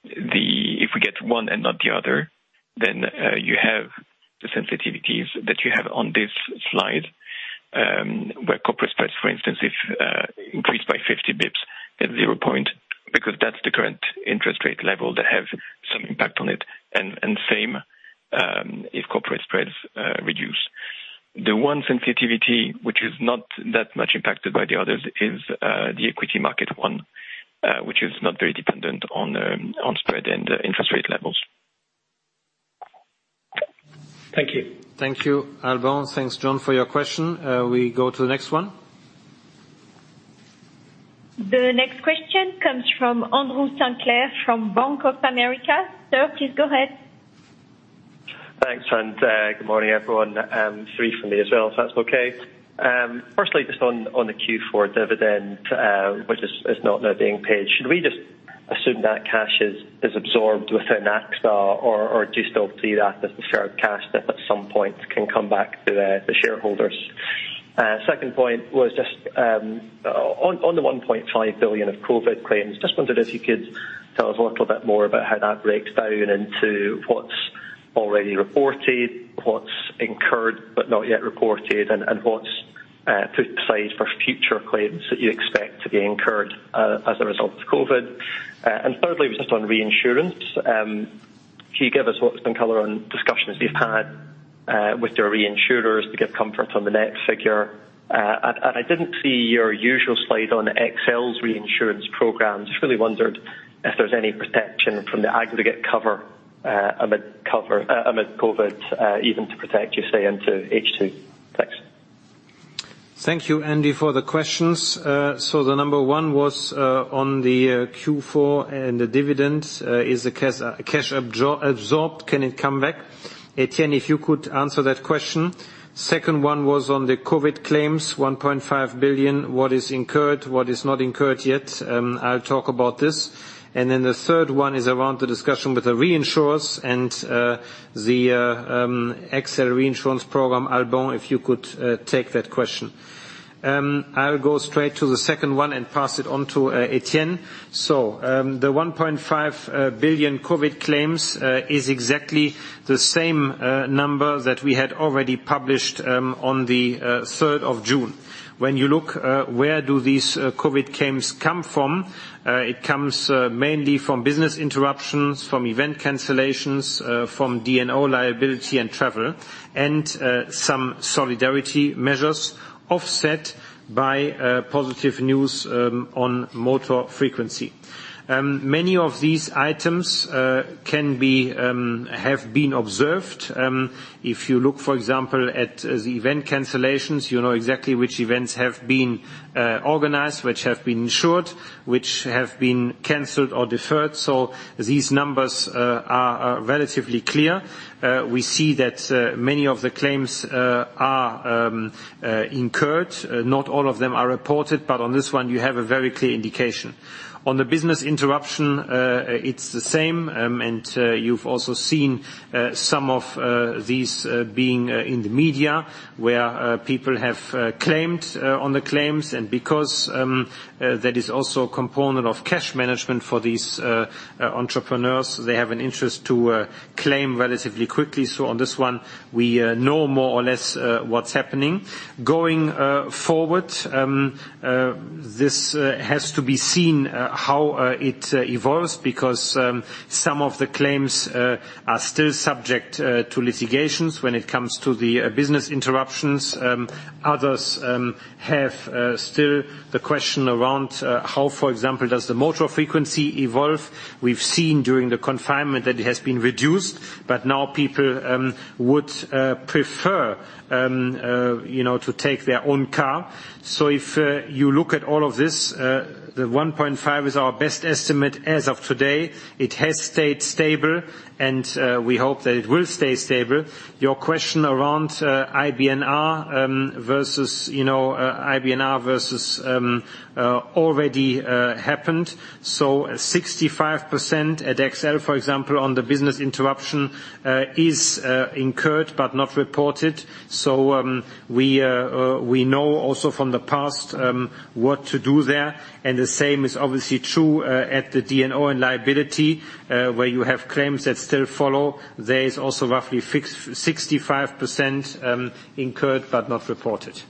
If we get one and not the other, then you have the sensitivities that you have on this slide, where corporate spreads, for instance, if increased by 50 basis points at zero point, because that's the current interest rate level that have some impact on it, and same if corporate spreads reduce. The one sensitivity which is not that much impacted by the others is the equity market one, which is not very dependent on spread and interest rate levels. Thank you. Thank you, Alban. Thanks, Jon, for your question. We go to the next one. The next question comes from Andrew Sinclair from Bank of America. Sir, please go ahead. Thanks. Good morning, everyone. Three from me as well, if that's okay. Firstly, just on the Q4 dividend, which is not now being paid, should we just assume that cash is absorbed within AXA, or do you still view that as the shared cash that at some point can come back to the shareholders? Second point was just on the 1.5 billion of COVID claims, just wondered if you could tell us a little bit more about how that breaks down into what's already reported, what's incurred but not yet reported, and what's put aside for future claims that you expect to be incurred as a result of COVID. Thirdly, was just on reinsurance. Can you give us what's been color on discussions you've had with your reinsurers to give comfort on the net figure? I didn't see your usual slide on XL's reinsurance programs. Just really wondered if there's any protection from the aggregate cover amid COVID, even to protect you, say, into H2. Thanks. Thank you, Andy, for the questions. The number 1 was on the Q4 and the dividends. Is the cash absorbed? Can it come back? Etienne, if you could answer that question. Second 1 was on the COVID claims, 1.5 billion, what is incurred, what is not incurred yet. I'll talk about this. The third is around the discussion with the reinsurers and the XL reinsurance program. Alban, if you could take that question. I'll go straight to the second one and pass it on to Etienne. The 1.5 billion COVID claims is exactly the same number that we had already published on the third of June. When you look where do these COVID claims come from, it comes mainly from business interruptions, from event cancellations, from D&O liability and travel, and some solidarity measures offset by positive news on motor frequency. Many of these items have been observed. If you look, for example, at the event cancellations, you know exactly which events have been organized, which have been insured, which have been canceled or deferred. These numbers are relatively clear. We see that many of the claims are incurred. Not all of them are reported, but on this one you have a very clear indication. On the business interruption, it's the same, and you've also seen some of these being in the media where people have claimed on the claims. Because that is also a component of cash management for these entrepreneurs, they have an interest to claim relatively quickly. On this one, we know more or less what's happening. Going forward, this has to be seen how it evolves because some of the claims are still subject to litigations when it comes to the business interruptions. Others have still the question around how, for example, does the motor frequency evolve? We've seen during the confinement that it has been reduced, but now people would prefer to take their own car. If you look at all of this, the 1.5 is our best estimate as of today. It has stayed stable, and we hope that it will stay stable. Your question around IBNR versus already happened. 65% at XL, for example, on the business interruption is incurred but not reported. We know also from the past what to do there. The same is obviously true at the D&O and liability, where you have claims that still follow. There is also roughly 65% incurred but not reported.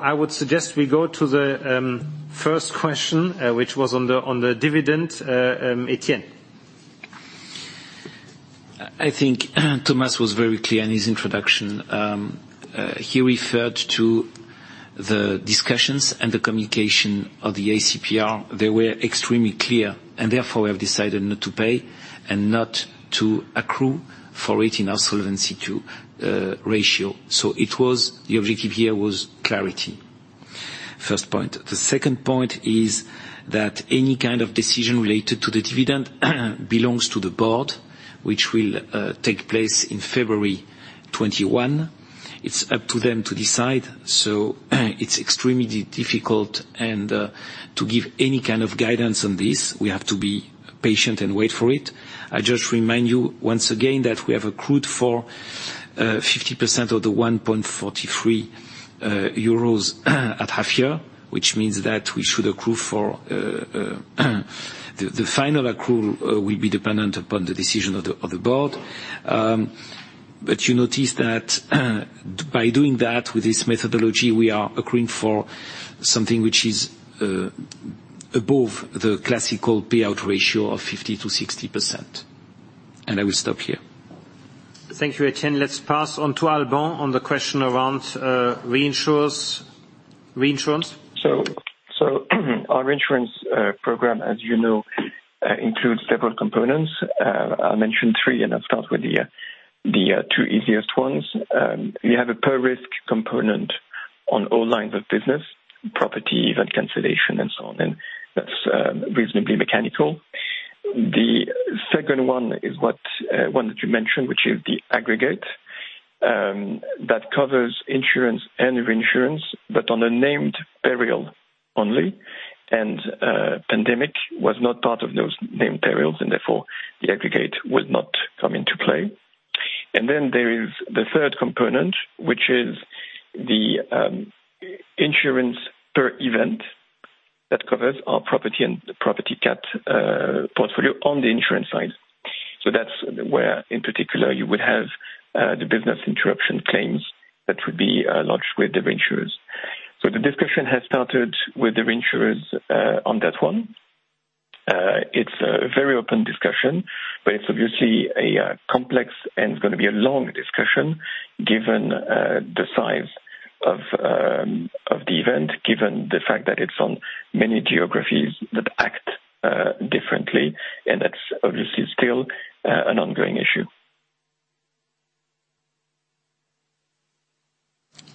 I would suggest we go to the first question, which was on the dividend. Etienne? I think Thomas was very clear in his introduction. He referred to the discussions and the communication of the ACPR. They were extremely clear, and therefore we have decided not to pay and not to accrue for it in our Solvency II ratio. The objective here was clarity. First point. The second point is that any kind of decision related to the dividend belongs to the board, which will take place in February 2021. It's up to them to decide. It's extremely difficult, and to give any kind of guidance on this, we have to be patient and wait for it. I just remind you once again that we have accrued for 50% of the EUR 1.43 at half year, which means that we should accrue for The final accrual will be dependent upon the decision of the board. You notice that by doing that with this methodology, we are accruing for something which is above the classical payout ratio of 50% to 60%. I will stop here. Thank you, Etienne. Let's pass on to Alban on the question around reinsurance. Our reinsurance program, as you know, includes several components. I'll mention three, and I'll start with the two easiest ones. We have a per risk component on all lines of business, property, event cancellation, and so on. That's reasonably mechanical. The second one is one that you mentioned, which is the aggregate, that covers insurance and reinsurance, but on a named peril only. Pandemic was not part of those named perils, and therefore the aggregate would not come into play. There is the third component, which is the insurance per event that covers our property and property cat portfolio on the insurance side. That's where, in particular, you would have the business interruption claims that would be launched with the reinsurers. The discussion has started with the reinsurers on that one. It's a very open discussion, but it's obviously complex and it's going to be a long discussion given the size of the event, given the fact that it's on many geographies that act differently, and that's obviously still an ongoing issue.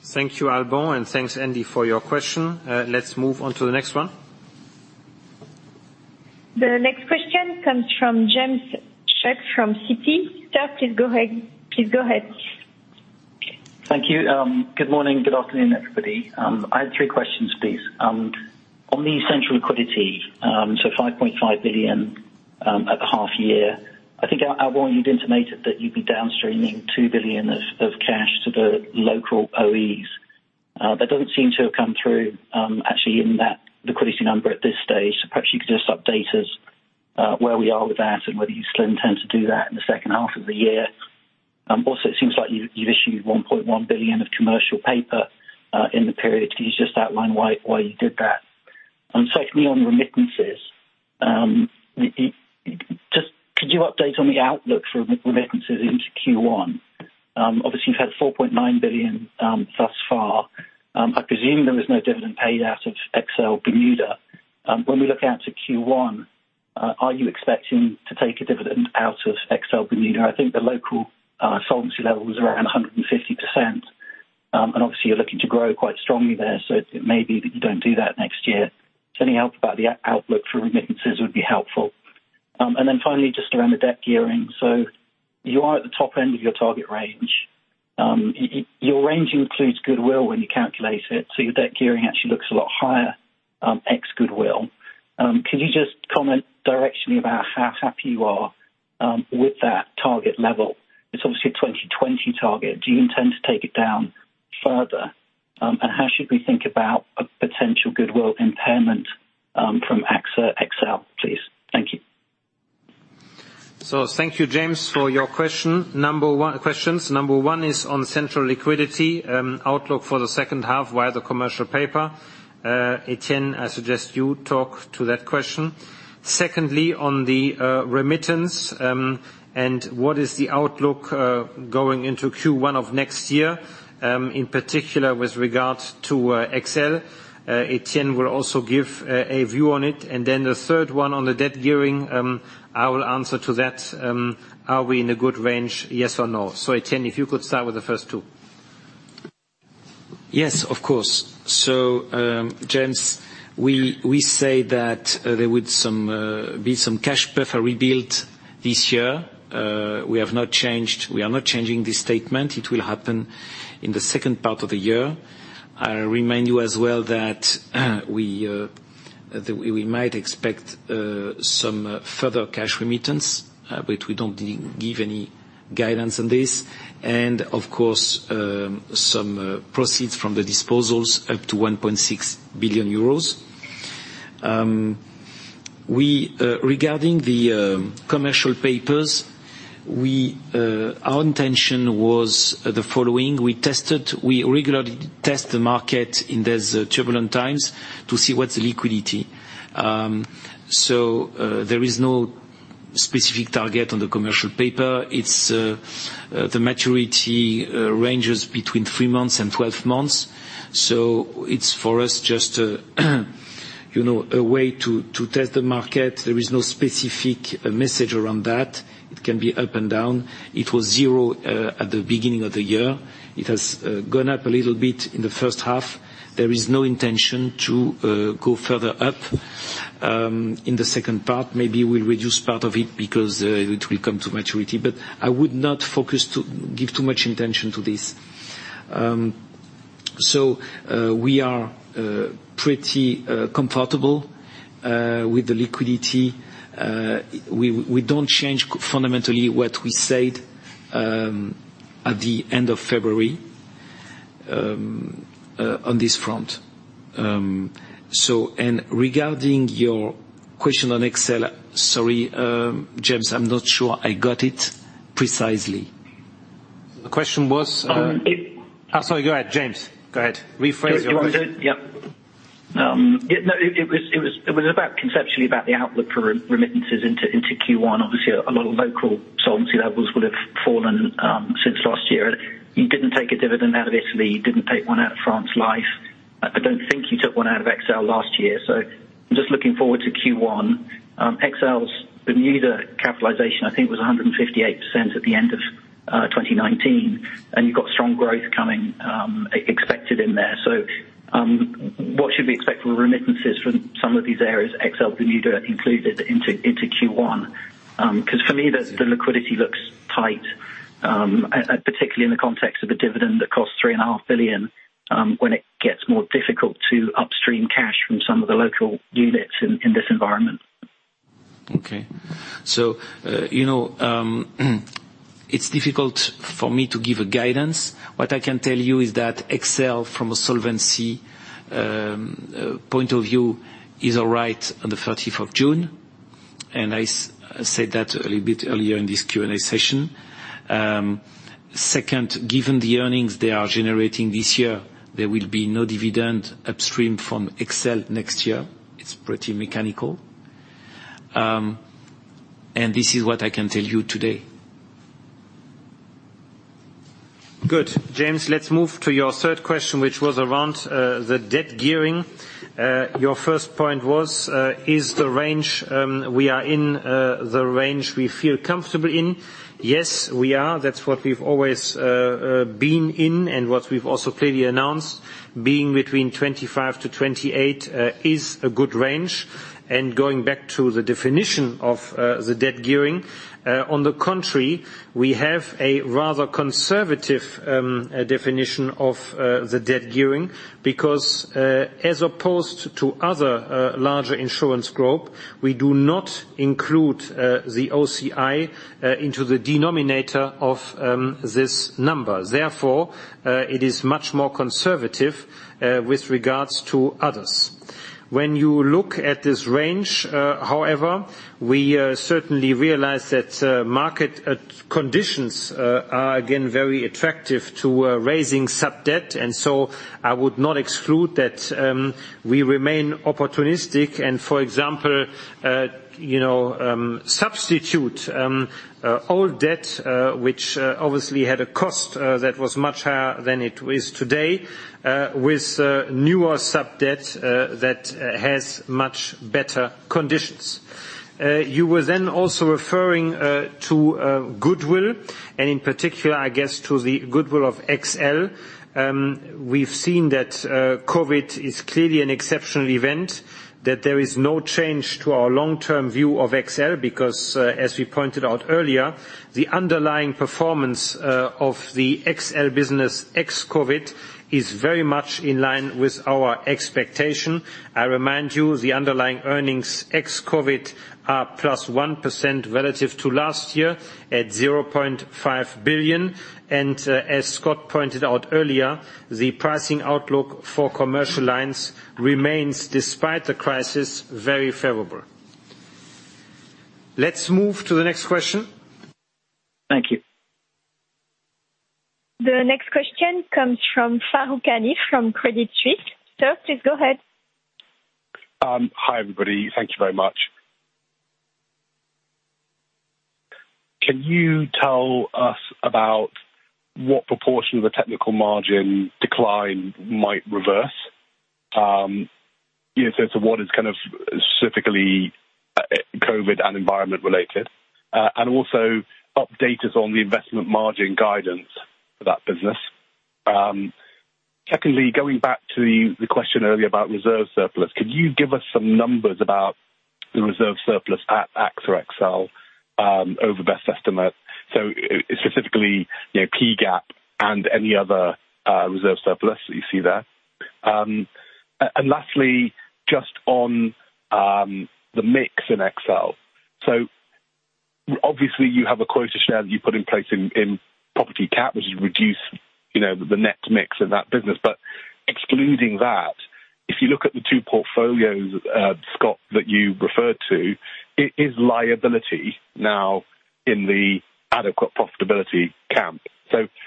Thank you, Alban, and thanks, Andy, for your question. Let's move on to the next one. The next question comes from James Shuck from Citi. Sir, please go ahead. Thank you. Good morning, good afternoon, everybody. I have three questions, please. On the central liquidity, 5.5 billion at the half year, I think, Alban, you'd intimated that you'd be downstreaming 2 billion of cash to the local OEs. That doesn't seem to have come through actually in that liquidity number at this stage. Perhaps you could just update us where we are with that and whether you still intend to do that in the second half of the year. Also, it seems like you've issued 1.1 billion of commercial paper, in the period. Can you just outline why you did that? Secondly, on remittances, just could you update on the outlook for remittances into Q1? Obviously, you've had 4.9 billion thus far. I presume there was no dividend paid out of XL Bermuda. When we look out to Q1, are you expecting to take a dividend out of XL Bermuda? I think the local solvency level is around 150%, and obviously you're looking to grow quite strongly there, so it may be that you don't do that next year. Any help about the outlook for remittances would be helpful. Then finally, just around the debt gearing. You are at the top end of your target range. Your range includes goodwill when you calculate it, so your debt gearing actually looks a lot higher ex-goodwill. Can you just comment directly about how happy you are with that target level? It's obviously a 2020 target. Do you intend to take it down further? How should we think about a potential goodwill impairment from AXA XL, please? Thank you. Thank you, James, for your questions. Number one is on central liquidity, outlook for the second half via the commercial paper. Etienne, I suggest you talk to that question. Secondly, on the remittance, what is the outlook going into Q1 of next year, in particular with regard to XL. Etienne will also give a view on it. The third one on the debt gearing, I will answer to that. Are we in a good range, yes or no? Etienne, if you could start with the first two. Yes, of course. James, we say that there would be some cash buffer rebuilt this year. We are not changing this statement. It will happen in the second part of the year. I remind you as well that we might expect some further cash remittance, but we don't give any guidance on this. Of course, some proceeds from the disposals up to €1.6 billion. Regarding the commercial papers, our intention was the following. We regularly test the market in these turbulent times to see what's the liquidity. There is no specific target on the commercial paper. The maturity ranges between three months and 12 months. It's for us, just a way to test the market. There is no specific message around that. It can be up and down. It was zero at the beginning of the year. It has gone up a little bit in the first half. There is no intention to go further up in the second part. Maybe we'll reduce part of it because it will come to maturity. I would not give too much attention to this. We are pretty comfortable with the liquidity. We don't change fundamentally what we said at the end of February on this front. Regarding your question on XL, sorry James, I'm not sure I got it precisely. The question was I'm sorry, go ahead James. Go ahead. Rephrase your question. No, it was conceptually about the outlook for remittances into Q1. Obviously, a lot of local solvency levels would have fallen since last year. You didn't take a dividend out of Italy, you didn't take one out of France Life. I don't think you took one out of XL last year. I'm just looking forward to Q1. XL's Bermuda capitalization, I think, was 158% at the end of 2019, and you've got strong growth coming expected in there. What should we expect for remittances from some of these areas, XL Bermuda included, into Q1? For me, the liquidity looks tight, particularly in the context of a dividend that costs 3.5 billion, when it gets more difficult to upstream cash from some of the local units in this environment. It's difficult for me to give a guidance. What I can tell you is that XL, from a solvency point of view, is all right on the 30th of June, and I said that a little bit earlier in this Q&A session. Second, given the earnings they are generating this year, there will be no dividend upstream from XL next year. It's pretty mechanical. This is what I can tell you today. Good. James, let's move to your third question, which was around the debt gearing. Your first point was, is the range we are in the range we feel comfortable in? Yes, we are. That's what we've always been in and what we've also clearly announced. Being between 25-28 is a good range. Going back to the definition of the debt gearing, on the contrary, we have a rather conservative definition of the debt gearing, because as opposed to other larger insurance group, we do not include the OCI into the denominator of this number. Therefore, it is much more conservative with regards to others. When you look at this range, however, we certainly realize that market conditions are again very attractive to raising sub-debt. I would not exclude that we remain opportunistic and, for example, substitute old debt, which obviously had a cost that was much higher than it is today, with newer sub-debt that has much better conditions. You were then also referring to goodwill and in particular, I guess, to the goodwill of XL. We've seen that COVID is clearly an exceptional event, that there is no change to our long-term view of XL, because as we pointed out earlier, the underlying performance of the XL business ex-COVID is very much in line with our expectation. I remind you, the underlying earnings ex-COVID are +1% relative to last year at 0.5 billion. As Scott pointed out earlier, the pricing outlook for commercial lines remains, despite the crisis, very favorable. Let's move to the next question. Thank you. The next question comes from Farooq Hanif from Credit Suisse. Sir, please go ahead. Hi everybody. Thank you very much. Can you tell us about what proportion of the technical margin decline might reverse? In terms of what is kind of specifically COVID and environment related. Also update us on the investment margin guidance for that business. Secondly, going back to the question earlier about reserve surplus, could you give us some numbers about the reserve surplus at AXA XL over best estimate? Specifically, PGAAP and any other reserve surplus that you see there. Lastly, just on the mix in XL. Obviously, you have a quota share that you put in place in property cat, which has reduced the net mix of that business. Excluding that, if you look at the two portfolios, Scott, that you referred to, is liability now in the adequate profitability camp?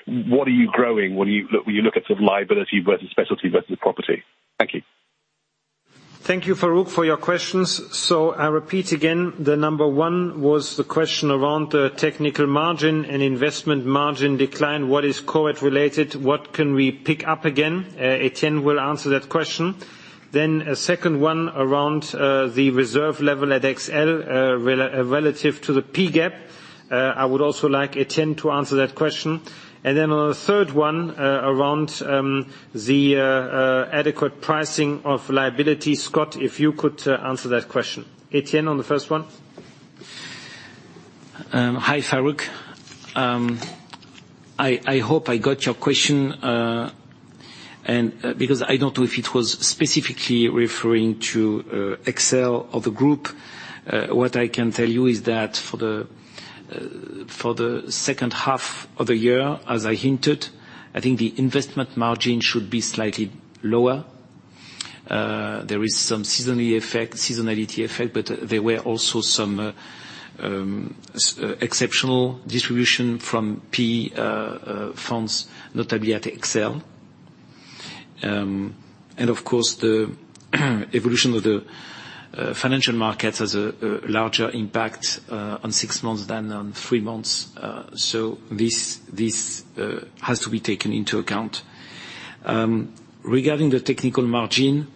What are you growing when you look at liability versus specialty versus property? Thank you. Thank you, Farooq, for your questions. I repeat again, the number one was the question around the technical margin and investment margin decline. What is COVID related? What can we pick up again? Etienne will answer that question. A second one around the reserve level at XL relative to the PGAAP. I would also like Etienne to answer that question. On the third one, around the adequate pricing of liability. Scott, if you could answer that question. Etienne, on the first one. Hi, Farooq. I hope I got your question, because I don't know if it was specifically referring to XL or the group. What I can tell you is that for the second half of the year, as I hinted, I think the investment margin should be slightly lower. There is some seasonality effect, but there were also some exceptional distribution from PE funds, notably at XL. Of course, the evolution of the financial markets has a larger impact on six months than on three months. This has to be taken into account. Regarding the technical margin,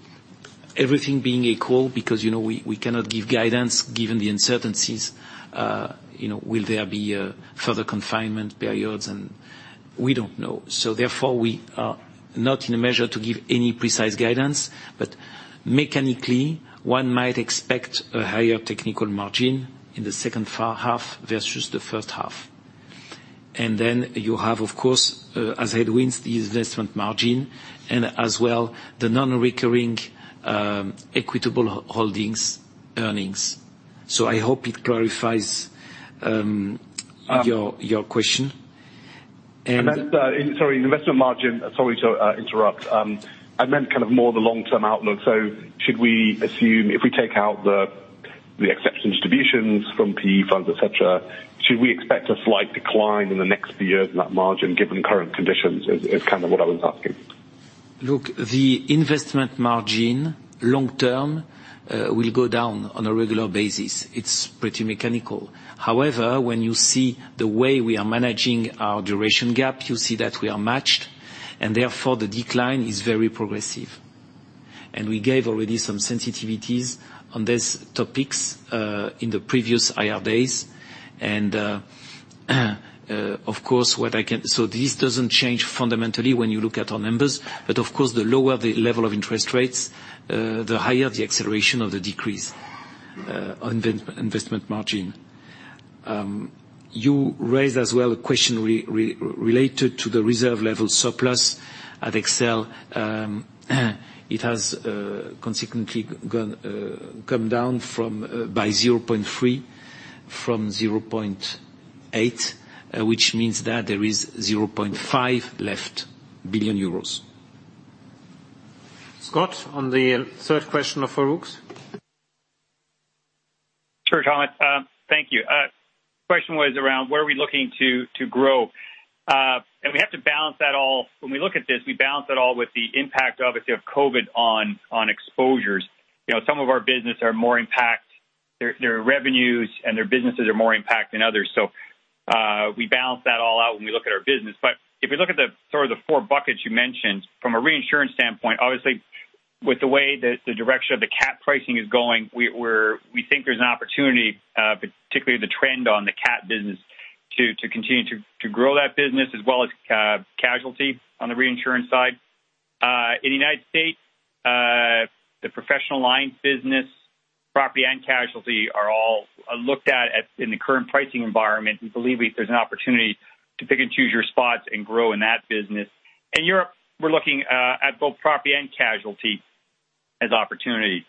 everything being equal, because we cannot give guidance given the uncertainties. Will there be further confinement periods? We don't know. Therefore, we are not in a measure to give any precise guidance. Mechanically, one might expect a higher technical margin in the second half versus the first half. You have, of course, as headwinds, the investment margin and as well, the non-recurring Equitable Holdings earnings. I hope it clarifies your question. Sorry, investment margin. Sorry to interrupt. I meant more the long-term outlook. Should we assume, if we take out the exception distributions from PE funds, et cetera, should we expect a slight decline in the next few years in that margin given the current conditions, is kind of what I was asking? Look, the investment margin long term, will go down on a regular basis. It's pretty mechanical. However, when you see the way we are managing our duration gap, you see that we are matched, and therefore the decline is very progressive. We gave already some sensitivities on these topics in the previous IR days. This doesn't change fundamentally when you look at our numbers, but of course, the lower the level of interest rates, the higher the acceleration of the decrease on the investment margin. You raised as well a question related to the reserve level surplus at AXA XL. It has consequently come down by 0.3 billion from 0.8 billion, which means that there is 0.5 billion euros left. Scott, on the third question of Farooq's. Sure, Thomas. Thank you. Question was around where are we looking to grow? We have to balance that all. When we look at this, we balance it all with the impact, obviously of COVID on exposures. Some of our business are more impact. Their revenues and their businesses are more impact than others. We balance that all out when we look at our business. If we look at the sort of the four buckets you mentioned, from a reinsurance standpoint, obviously, with the way the direction of the cat pricing is going, we think there's an opportunity, particularly the trend on the cat business, to continue to grow that business as well as casualty on the reinsurance side. In the U.S., the professional lines business, property and casualty are all looked at in the current pricing environment. We believe there's an opportunity to pick and choose your spots and grow in that business. In Europe, we're looking at both property and casualty as opportunities.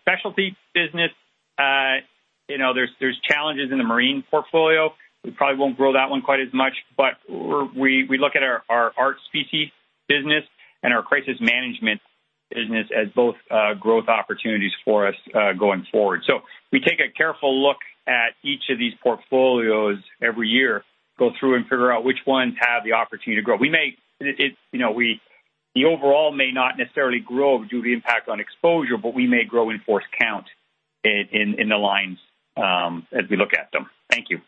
Specialty business, there's challenges in the marine portfolio. We probably won't grow that one quite as much, but we look at our art specialties business and our crisis management business as both growth opportunities for us going forward. We take a careful look at each of these portfolios every year, go through and figure out which ones have the opportunity to grow. The overall may not necessarily grow due to the impact on exposure, but we may grow in-force count in the lines, as we look at them. Thank you.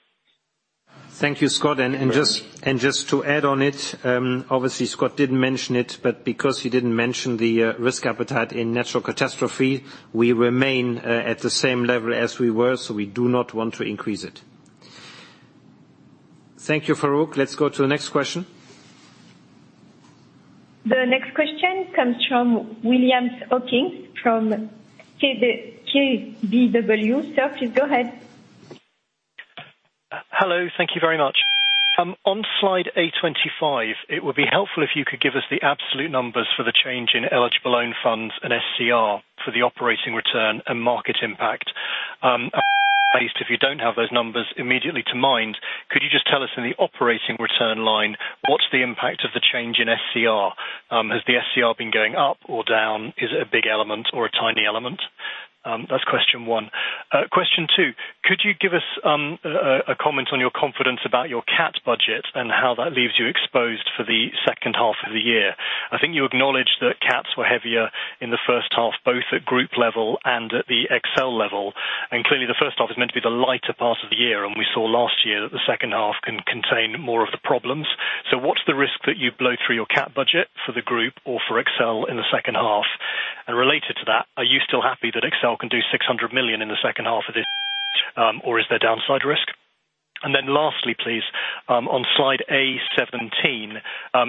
Thank you, Scott. Just to add on it, obviously Scott didn't mention it, but because he didn't mention the risk appetite in natural catastrophe, we remain at the same level as we were. We do not want to increase it. Thank you, Farooq. Let's go to the next question. The next question comes from William Hawkins from KBW. Sir, please go ahead. Hello. Thank you very much. On slide A25, it would be helpful if you could give us the absolute numbers for the change in eligible own funds and SCR for the operating return and market impact. If you don't have those numbers immediately to mind, could you just tell us in the operating return line, what's the impact of the change in SCR? Has the SCR been going up or down? Is it a big element or a tiny element? That's question one. Question two, could you give us a comment on your confidence about your CAT budget, and how that leaves you exposed for the second half of the year? I think you acknowledged that CATs were heavier in the first half, both at group level and at the XL level, and clearly the first half is meant to be the lighter part of the year, and we saw last year that the second half can contain more of the problems. What's the risk that you blow through your CAT budget for the group or for AXA XL in the second half? Related to that, are you still happy that AXA XL can do 600 million in the second half of this or is there downside risk? Lastly please, on slide A17,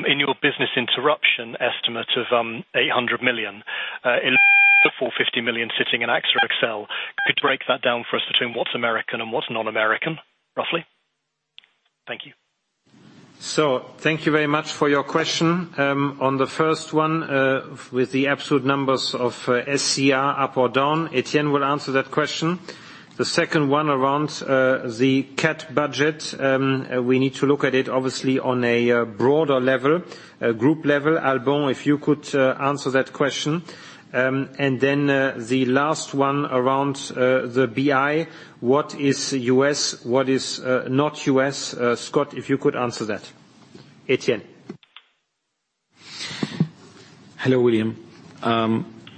in your business interruption estimate of 800 million, the 450 million sitting in AXA XL, could you break that down for us between what's American and what's non-American, roughly? Thank you. Thank you very much for your question. On the first one, with the absolute numbers of SCR up or down, Etienne will answer that question. The second one around the CAT budget. We need to look at it, obviously, on a broader level, group level. Alban, if you could answer that question. Then, the last one around the BI. What is U.S., what is not U.S.? Scott, if you could answer that. Etienne? Hello, William.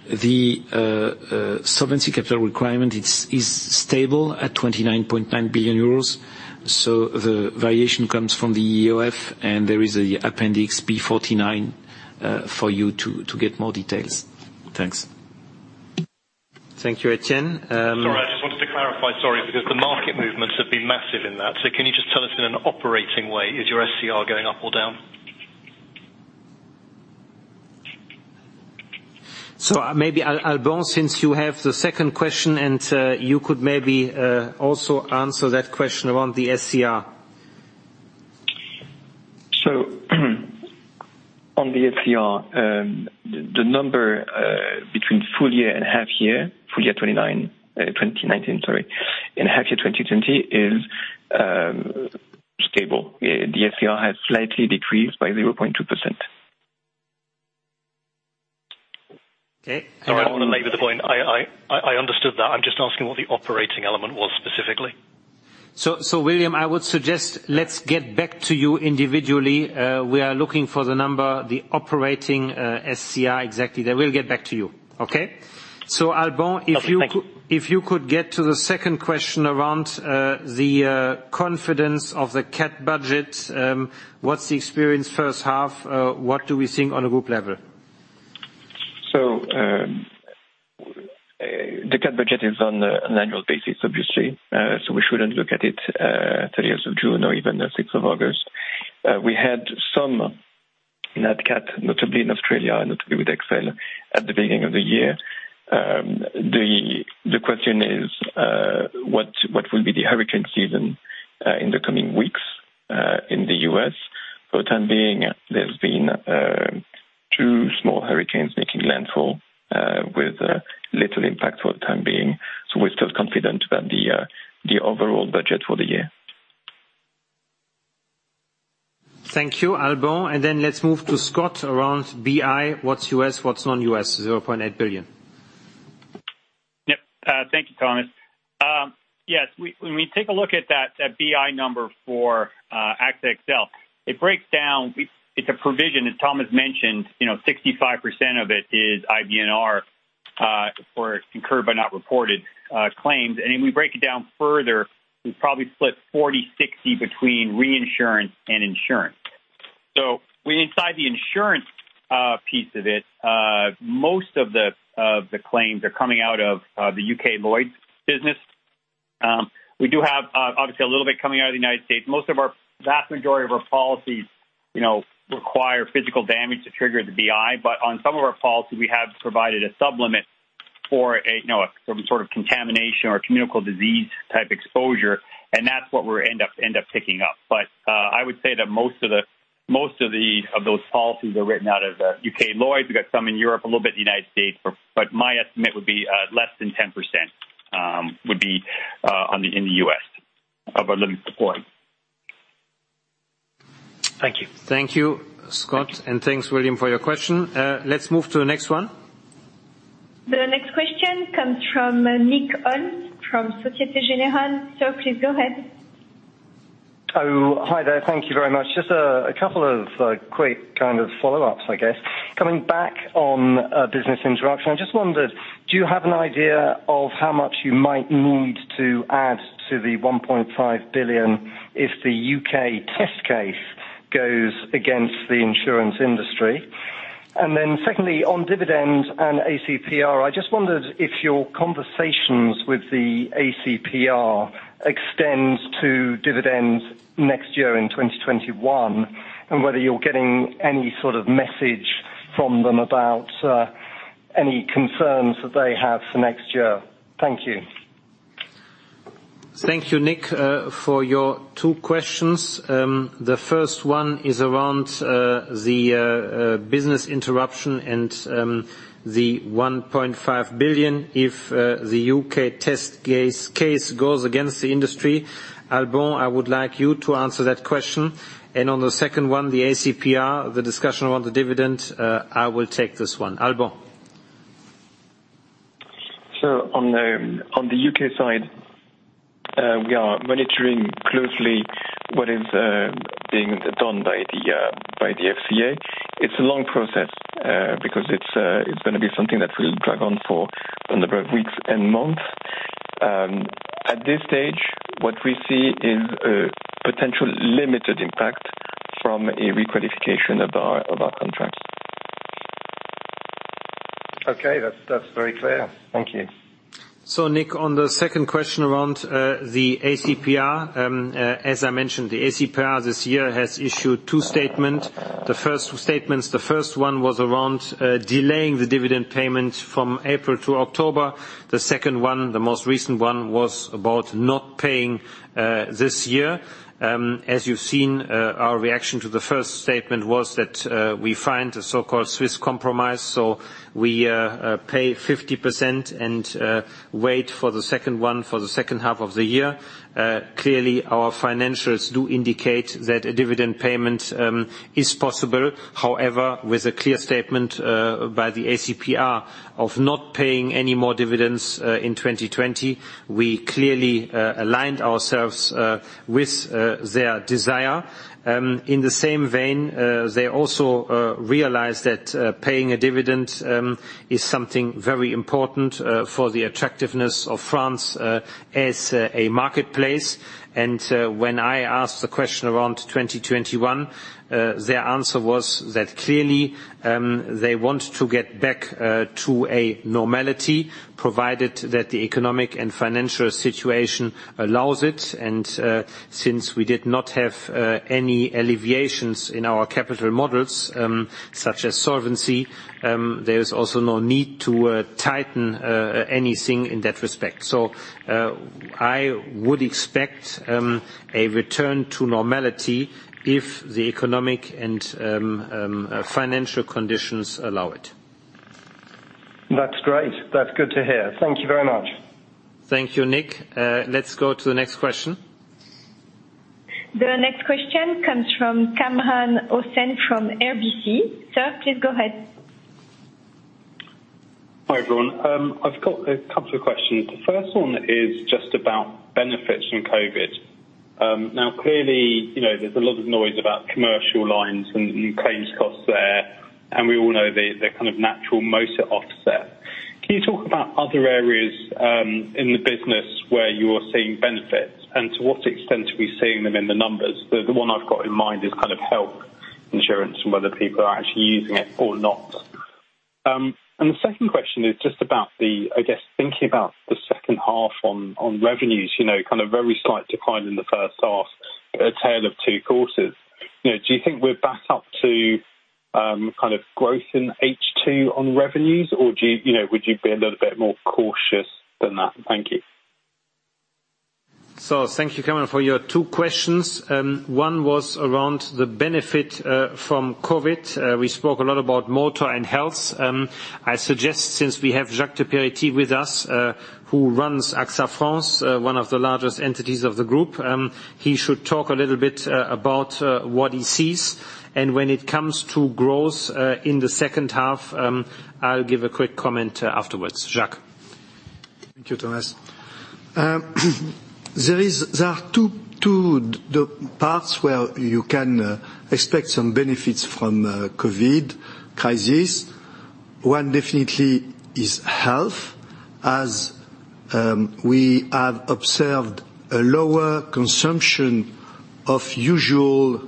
The Solvency Capital Requirement is stable at €29.9 billion. The variation comes from the EOF, and there is an appendix B49 for you to get more details. Thanks. Thank you, Etienne. Sorry, I just wanted to clarify, sorry, because the market movements have been massive in that. Can you just tell us in an operating way, is your SCR going up or down? Maybe, Alban, since you have the second question, and you could maybe also answer that question around the SCR. On the SCR, the number between full year and half year, full year 2019, sorry, and half year 2020 is stable. The SCR has slightly decreased by 0.2%. Okay. Sorry, I want to labor the point. I understood that. I'm just asking what the operating element was specifically. William, I would suggest let's get back to you individually. We are looking for the number, the operating SCR exactly. We'll get back to you. Okay? Okay, thank you. If you could get to the second question around the confidence of the CAT budget, what's the experience first half? What do we think on a group level? The CAT budget is on an annual basis, obviously. We shouldn't look at it, 30th of June or even the sixth of August. We had some net CAT, notably in Australia and notably with XL at the beginning of the year. The question is, what will be the hurricane season in the coming weeks in the U.S.? For the time being, there's been two small hurricanes making landfall with little impact for the time being. We're still confident about the overall budget for the year. Thank you, Alban. Let's move to Scott around BI. What's U.S., what's non-U.S., 0.8 billion. Yep. Thank you, Thomas. Yes. When we take a look at that BI number for AXA XL, it breaks down. It's a provision, as Thomas mentioned, 65% of it is IBNR, or incurred but not reported claims. If we break it down further, we probably split 40/60 between reinsurance and insurance. Inside the insurance piece of it, most of the claims are coming out of the U.K. Lloyd's business. We do have, obviously, a little bit coming out of the United States. Most of our vast majority of our policies require physical damage to trigger the BI. On some of our policies, we have provided a sub-limit for some sort of contamination or communicable disease type exposure. That's what we end up picking up. I would say that most of those policies are written out of U.K. Lloyd's. We got some in Europe, a little bit in the United States. My estimate would be less than 10% would be in the U.S. of our limited support. Thank you. Thank you, Scott, and thanks, William, for your question. Let's move to the next one. The next question comes from Nick Holmes from Societe Generale. Sir, please go ahead. Hi there. Thank you very much. Just a couple of quick follow-ups, I guess. Coming back on business interaction, I just wondered, do you have an idea of how much you might need to add to the 1.5 billion if the U.K. test case goes against the insurance industry? Secondly, on dividends and ACPR, I just wondered if your conversations with the ACPR extends to dividends next year in 2021, and whether you're getting any sort of message from them about any concerns that they have for next year. Thank you. Thank you, Nick, for your two questions. The first one is around the business interruption and the 1.5 billion, if the U.K. test case goes against the industry. Alban, I would like you to answer that question. On the second one, the ACPR, the discussion around the dividend, I will take this one. Alban? On the U.K. side, we are monitoring closely what is being done by the FCA. It's a long process, because it's going to be something that will drag on for number of weeks and months. At this stage, what we see is a potential limited impact from a requalification of our contracts. Okay. That's very clear. Thank you. Nick, on the second question around the ACPR. As I mentioned, the ACPR this year has issued two statements. The first one was around delaying the dividend payment from April to October. The second one, the most recent one, was about not paying this year. As you've seen, our reaction to the first statement was that, we find a so-called Swiss compromise, we pay 50% and wait for the second one for the second half of the year. Clearly, our financials do indicate that a dividend payment is possible. However, with a clear statement by the ACPR of not paying any more dividends in 2020, we clearly aligned ourselves with their desire. In the same vein, they also realized that paying a dividend is something very important for the attractiveness of France as a marketplace. When I asked the question around 2021, their answer was that clearly, they want to get back to a normality, provided that the economic and financial situation allows it. Since we did not have any alleviations in our capital models, such as solvency, there is also no need to tighten anything in that respect. I would expect a return to normality if the economic and financial conditions allow it. That's great. That's good to hear. Thank you very much. Thank you, Nick. Let's go to the next question. The next question comes from Kamran Hossain from RBC. Sir, please go ahead. Hi, everyone. I've got a couple of questions. The first one is just about benefits from COVID. Clearly, there's a lot of noise about commercial lines and claims costs there, and we all know they're a kind of natural motor offset. Can you talk about other areas in the business where you're seeing benefits, and to what extent are we seeing them in the numbers? The one I've got in mind is health insurance and whether people are actually using it or not. The second question is just about the, I guess, thinking about the second half on revenues, a very slight decline in the first half, a tale of two quarters. Do you think we're back up to growth in H2 on revenues, or would you be a little bit more cautious than that? Thank you. Thank you, Kamran, for your two questions. One was around the benefit from COVID. We spoke a lot about motor and health. I suggest since we have Jacques de Peretti with us, who runs AXA France, one of the largest entities of the group, he should talk a little bit about what he sees. When it comes to growth in the second half, I'll give a quick comment afterwards. Jacques. Thank you, Thomas. There are two parts where you can expect some benefits from COVID crisis. One definitely is health, as we have observed a lower consumption of usual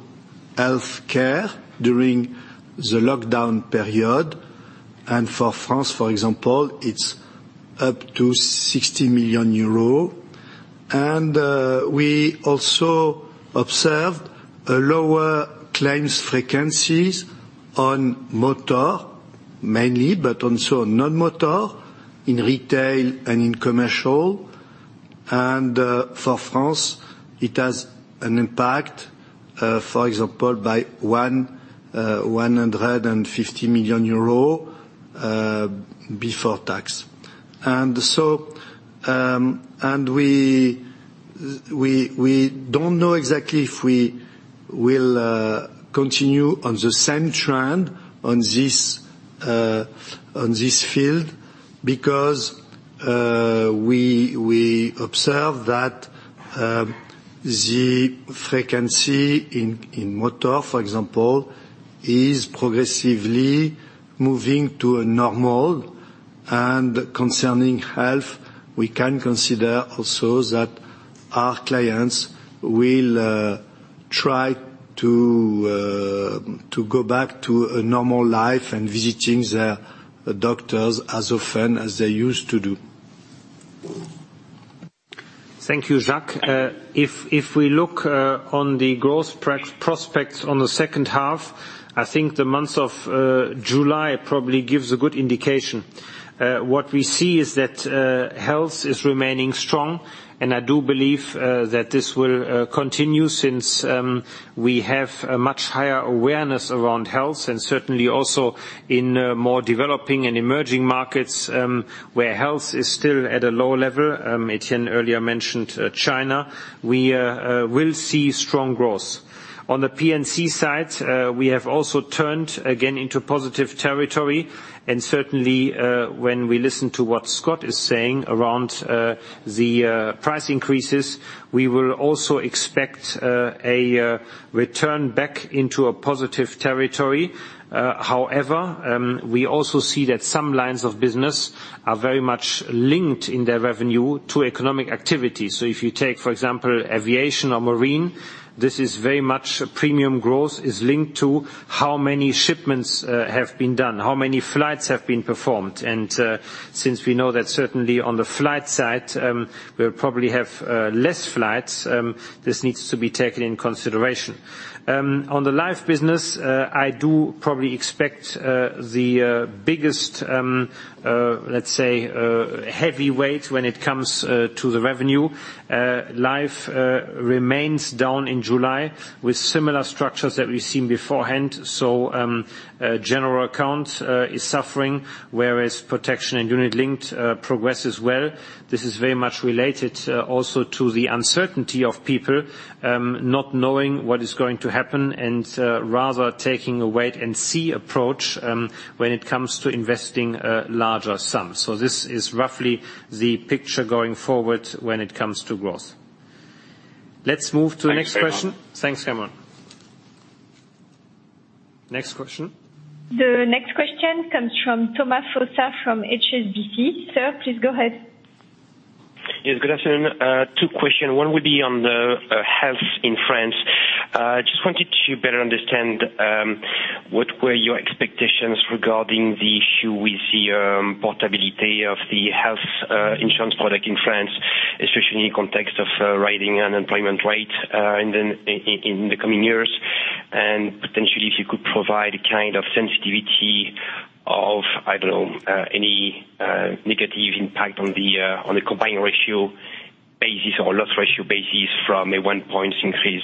healthcare during the lockdown period. For France, for example, it's up to 60 million euro. We also observed a lower claims frequencies on motor, mainly, but also non-motor, in retail and in commercial. For France, it has an impact, for example, by 150 million euro before tax. We don't know exactly if we will continue on the same trend on this field, because we observe that the frequency in motor, for example, is progressively moving to a normal. Concerning health, we can consider also that our clients will try to go back to a normal life and visiting their doctors as often as they used to do. Thank you, Jacques. If we look on the growth prospects on the second half, I think the month of July probably gives a good indication. What we see is that health is remaining strong, and I do believe that this will continue since we have a much higher awareness around health, and certainly also in more developing and emerging markets, where health is still at a lower level. Etienne earlier mentioned China. We will see strong growth. On the P&C side, we have also turned again into positive territory, and certainly, when we listen to what Scott is saying around the price increases, we will also expect a return back into a positive territory. However, we also see that some lines of business are very much linked in their revenue to economic activity. If you take, for example, aviation or marine, this is very much a premium growth is linked to how many shipments have been done, how many flights have been performed. Since we know that certainly on the flight side, we'll probably have less flights, this needs to be taken in consideration. On the life business, I do probably expect the biggest, let's say, heavy weight when it comes to the revenue. Life remains down in July with similar structures that we've seen beforehand, general account is suffering, whereas protection and unit linked progresses well. This is very much related also to the uncertainty of people not knowing what is going to happen and rather taking a wait and see approach when it comes to investing larger sums. This is roughly the picture going forward when it comes to growth. Let's move to the next question. Thanks, Kamran. Thanks, Kamran. Next question. The next question comes from Thomas Fossard from HSBC. Sir, please go ahead. Yes, good afternoon. Two question. One would be on the health in France. Just wanted to better understand what were your expectations regarding the issue with the portability of the health insurance product in France, especially in context of rising unemployment rate in the coming years. Potentially if you could provide a kind of sensitivity of, I don't know, any negative impact on the combined ratio basis or loss ratio basis from a one points increase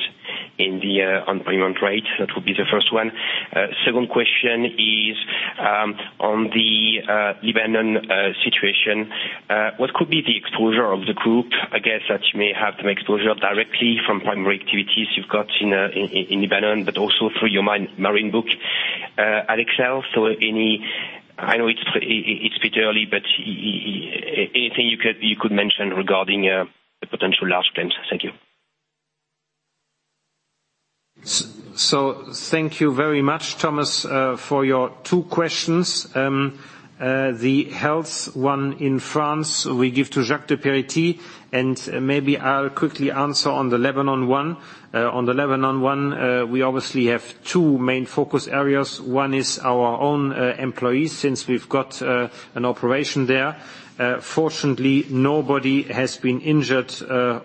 in the unemployment rate. That would be the first one. Second question is on the Lebanon situation. What could be the exposure of the group? I guess that you may have some exposure directly from primary activities you've got in Lebanon, also through your marine book, AXA. I know it's a bit early, anything you could mention regarding the potential large claims? Thank you. Thank you very much, Thomas, for your two questions. The health one in France, we give to Jacques de Peretti. Maybe I'll quickly answer on the Lebanon one. On the Lebanon one, we obviously have two main focus areas. One is our own employees, since we've got an operation there. Fortunately, nobody has been injured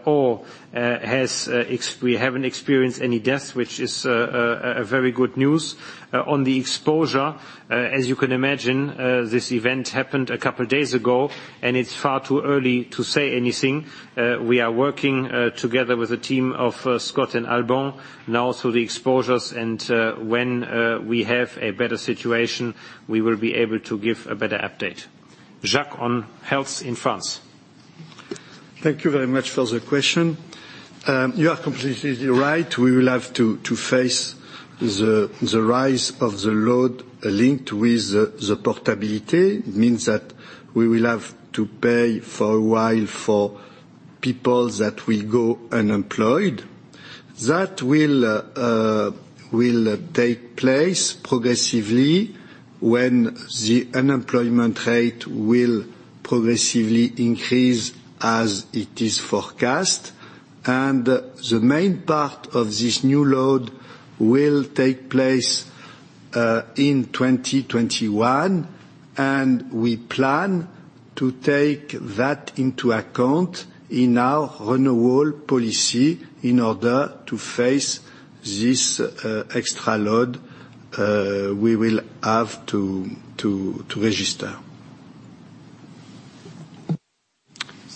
or we haven't experienced any deaths, which is a very good news. On the exposure, as you can imagine, this event happened a couple of days ago. It's far too early to say anything. We are working together with a team of Scott and Alban now through the exposures. When we have a better situation, we will be able to give a better update. Jacques, on health in France. Thank you very much for the question. You are completely right. We will have to face the rise of the load linked with the portability. It means that we will have to pay for a while for people that will go unemployed. That will take place progressively when the unemployment rate will progressively increase as it is forecast. The main part of this new load will take place in 2021, and we plan to take that into account in our renewal policy in order to face this extra load we will have to register.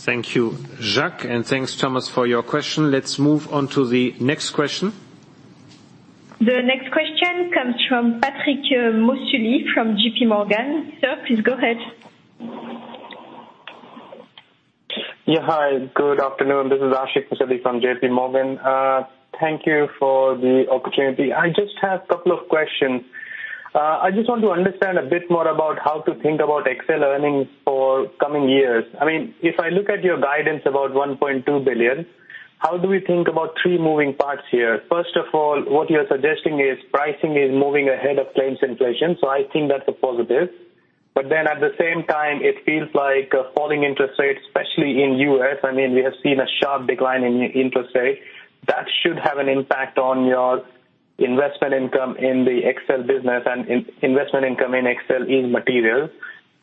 Thank you, Jacques. Thanks, Thomas, for your question. Let's move on to the next question. The next question comes from Patrick Moisy from JPMorgan. Sir, please go ahead. Yeah, hi. Good afternoon. This is Ashik Musaddi from JP Morgan. Thank you for the opportunity. I just have couple of questions. I just want to understand a bit more about how to think about AXA earnings for coming years. If I look at your guidance about 1.2 billion, how do we think about three moving parts here? First of all, what you are suggesting is pricing is moving ahead of claims inflation, so I think that's a positive. At the same time, it feels like falling interest rates, especially in U.S., we have seen a sharp decline in interest rates. Should have an impact on your investment income in the XL business and investment income in XL is material.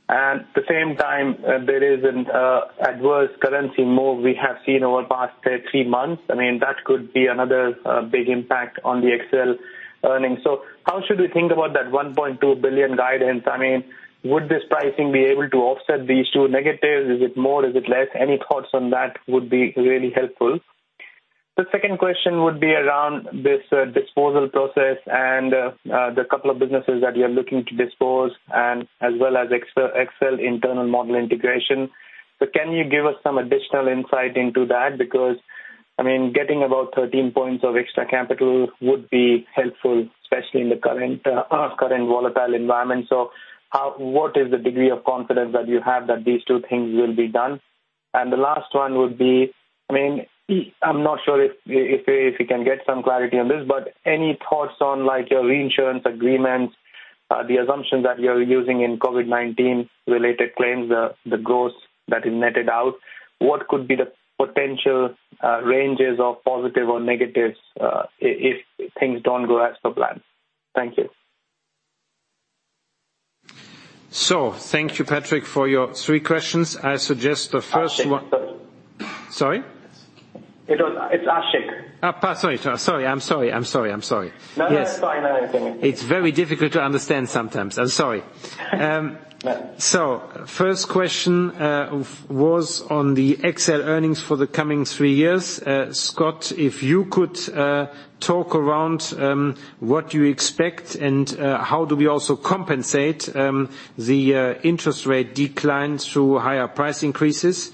At the same time, there is an adverse currency move we have seen over the past three months. That could be another big impact on the XL earnings. How should we think about that 1.2 billion guidance? Would this pricing be able to offset these two negatives? Is it more, is it less? Any thoughts on that would be really helpful. The second question would be around this disposal process and the couple of businesses that you are looking to dispose, as well as XL internal model integration. Can you give us some additional insight into that? Because, getting about 13 points of extra capital would be helpful, especially in the current volatile environment. What is the degree of confidence that you have that these two things will be done? The last one would be, I'm not sure if you can get some clarity on this, but any thoughts on your reinsurance agreements, the assumptions that you're using in COVID-19 related claims, the growth that is netted out. What could be the potential ranges of positive or negatives, if things don't go as per plan? Thank you. Thank you, Ashik, for your three questions. I suggest the first one. Ashik. Sorry? It's Ashik. Sorry. I'm sorry. No, that's fine. It's very difficult to understand sometimes. I'm sorry. No. First question was on the XL earnings for the coming three years. Scott, if you could talk around what you expect and how do we also compensate the interest rate decline through higher price increases.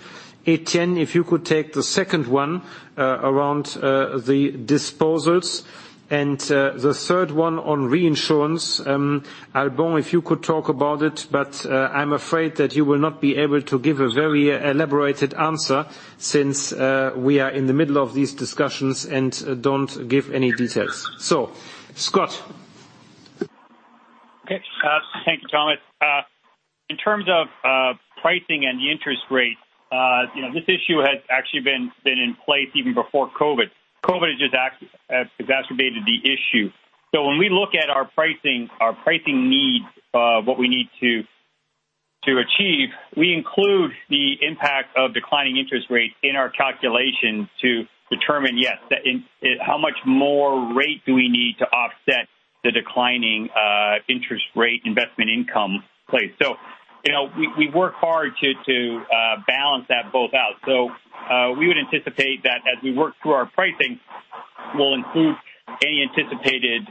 Etienne, if you could take the second one around the disposals, and the third one on reinsurance. Alban, if you could talk about it, but I'm afraid that you will not be able to give a very elaborated answer since we are in the middle of these discussions and don't give any details. Scott. Okay. Thank you, Thomas. In terms of pricing and the interest rate, this issue has actually been in place even before COVID. COVID has just exacerbated the issue. When we look at our pricing needs, what we need to achieve, we include the impact of declining interest rates in our calculation to determine, yes, how much more rate do we need to offset the declining interest rate investment income place. We work hard to balance that both out. We would anticipate that as we work through our pricing, we'll include any anticipated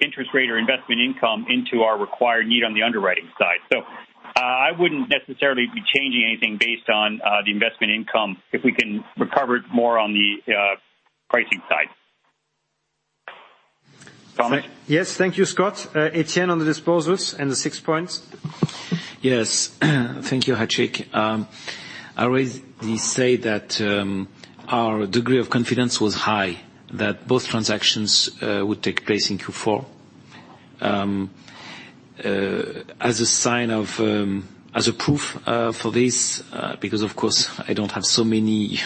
interest rate or investment income into our required need on the underwriting side. I wouldn't necessarily be changing anything based on the investment income if we can recover it more on the pricing side. Thomas? Yes. Thank you, Scott. Etienne, on the disposals and the six points. Yes. Thank you, Ashik. I already say that our degree of confidence was high, that both transactions would take place in Q4. As a proof for this, because of course I don't have so many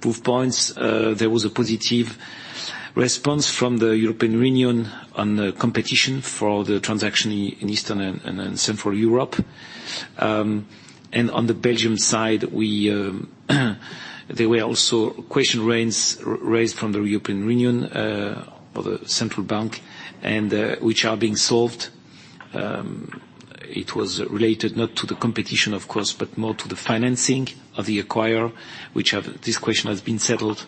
proof points, there was a positive response from the European Union on the competition for the transaction in Eastern and Central Europe. On the Belgium side, there were also question raised from the European Union, or the Central Bank, which are being solved. It was related not to the competition, of course, but more to the financing of the acquirer. Which this question has been settled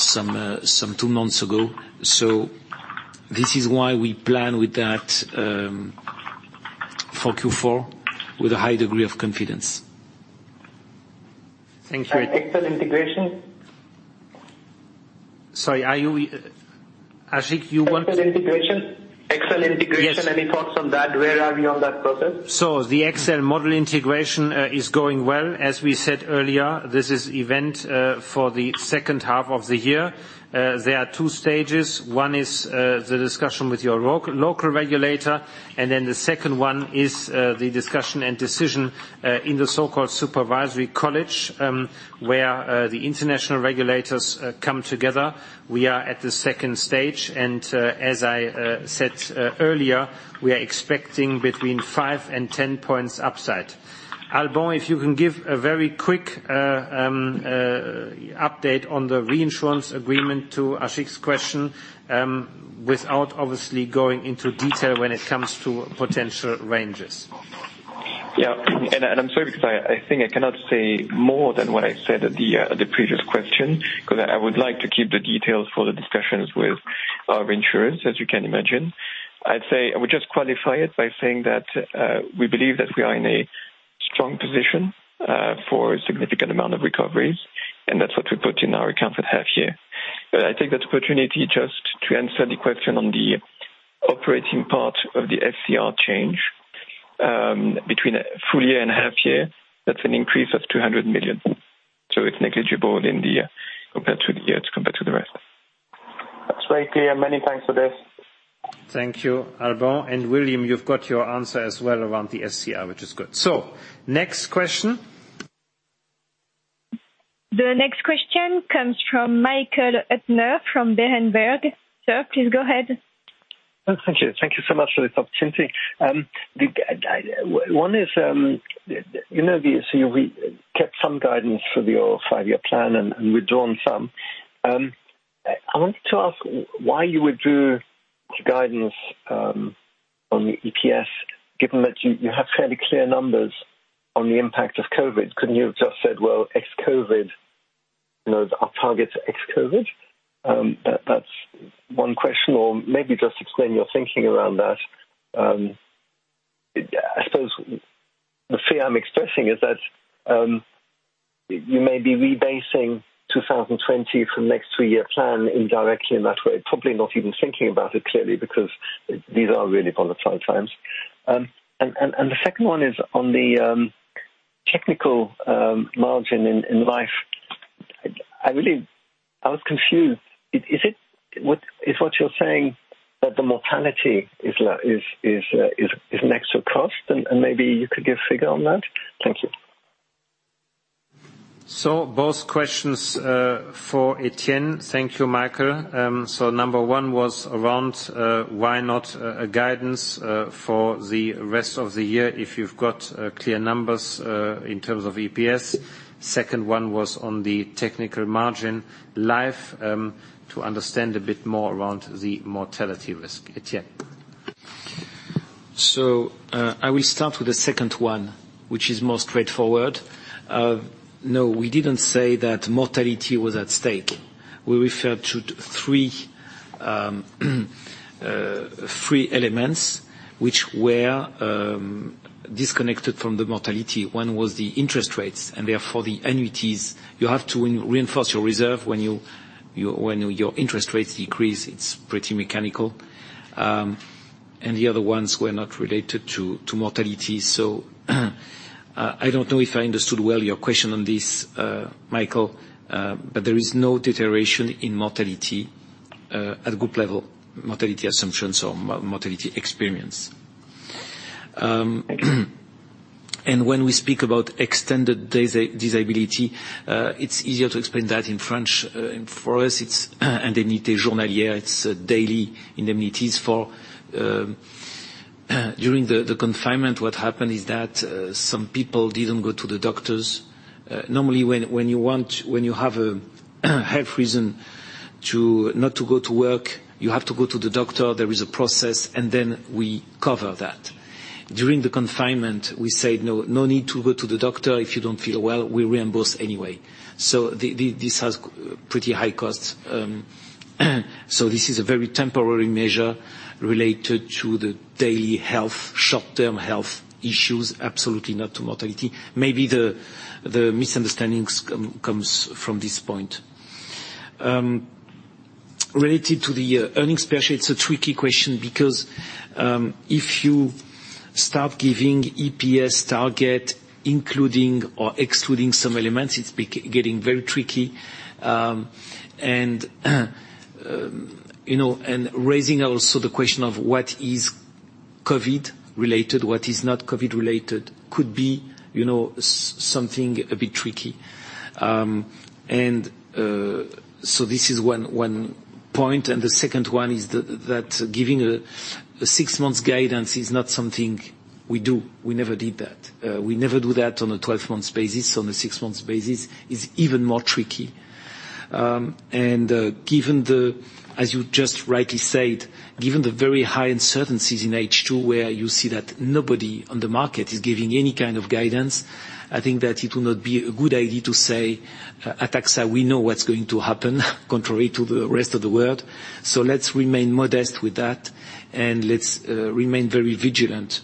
some two months ago. This is why we plan with that for Q4 with a high degree of confidence. Thank you. XL integration? Sorry, Ashik. XL integration. Any thoughts on that? Where are we on that process? The XL model integration is going well. As we said earlier, this is event for the second half of the year. There are two stages. One is the discussion with your local regulator, and then the second one is the discussion and decision in the so-called supervisory college, where the international regulators come together. We are at the second stage, and as I said earlier, we are expecting between five and 10 points upside. Alban, if you can give a very quick update on the reinsurance agreement to Ashik's question, without obviously going into detail when it comes to potential ranges. Yeah. I'm sorry, because I think I cannot say more than what I said at the previous question, because I would like to keep the details for the discussions with our reinsurers, as you can imagine. I would just qualify it by saying that we believe that we are in a strong position for a significant amount of recoveries, and that's what we put in our account for the half year. I take that opportunity just to answer the question on the operating part of the SCR change. Between a full year and a half year, that's an increase of 200 million. It's negligible compared to the rest. Great PM. Many thanks for this. Thank you, Alban. William, you've got your answer as well around the SCR, which is good. Next question. The next question comes from Michael Huttner from Berenberg. Sir, please go ahead. Oh, thank you. Thank you so much for this opportunity. One is, we kept some guidance for your five-year plan and withdrawn some. I wanted to ask why you withdrew the guidance on the EPS, given that you have fairly clear numbers on the impact of COVID. Couldn't you have just said, well, our targets are ex-COVID? That's one question, or maybe just explain your thinking around that. I suppose the fear I'm expressing is that you may be rebasing 2020 for the next three-year plan indirectly in that way, probably not even thinking about it clearly, because these are really volatile times. The second one is on the technical margin in life. I was confused. Is what you're saying that the mortality is an extra cost, and maybe you could give a figure on that? Thank you. Both questions for Etienne. Thank you, Michael. Number one was around why not a guidance for the rest of the year if you've got clear numbers, in terms of EPS. Second one was on the technical margin life, to understand a bit more around the mortality risk. Etienne. I will start with the second one, which is more straightforward. No, we didn't say that mortality was at stake. We referred to three elements which were disconnected from the mortality. One was the interest rates, and therefore the annuities. You have to reinforce your reserve when your interest rates decrease. It's pretty mechanical. The other ones were not related to mortality. I don't know if I understood well your question on this, Michael, but there is no deterioration in mortality at group level, mortality assumptions or mortality experience. When we speak about extended disability, it's easier to explain that in French. For us, it's indemnités journalières, it's daily indemnities. During the confinement, what happened is that some people didn't go to the doctors. Normally, when you have reason to not to go to work, you have to go to the doctor. There is a process. We cover that. During the confinement, we said, "No need to go to the doctor if you don't feel well, we reimburse anyway." This has pretty high costs. This is a very temporary measure related to the daily health, short-term health issues, absolutely not to mortality. Maybe the misunderstandings come from this point. Related to the earnings per share, it's a tricky question because, if you start giving EPS target, including or excluding some elements, it's getting very tricky. Raising also the question of what is COVID related, what is not COVID related, could be something a bit tricky. This is one point. The second one is that giving a six months guidance is not something we do. We never did that. We never do that on a 12 months basis. On a six months basis is even more tricky. As you just rightly said, given the very high uncertainties in H2 where you see that nobody on the market is giving any kind of guidance, I think that it would not be a good idea to say, "At AXA, we know what's going to happen," contrary to the rest of the world. Let's remain modest with that, and let's remain very vigilant.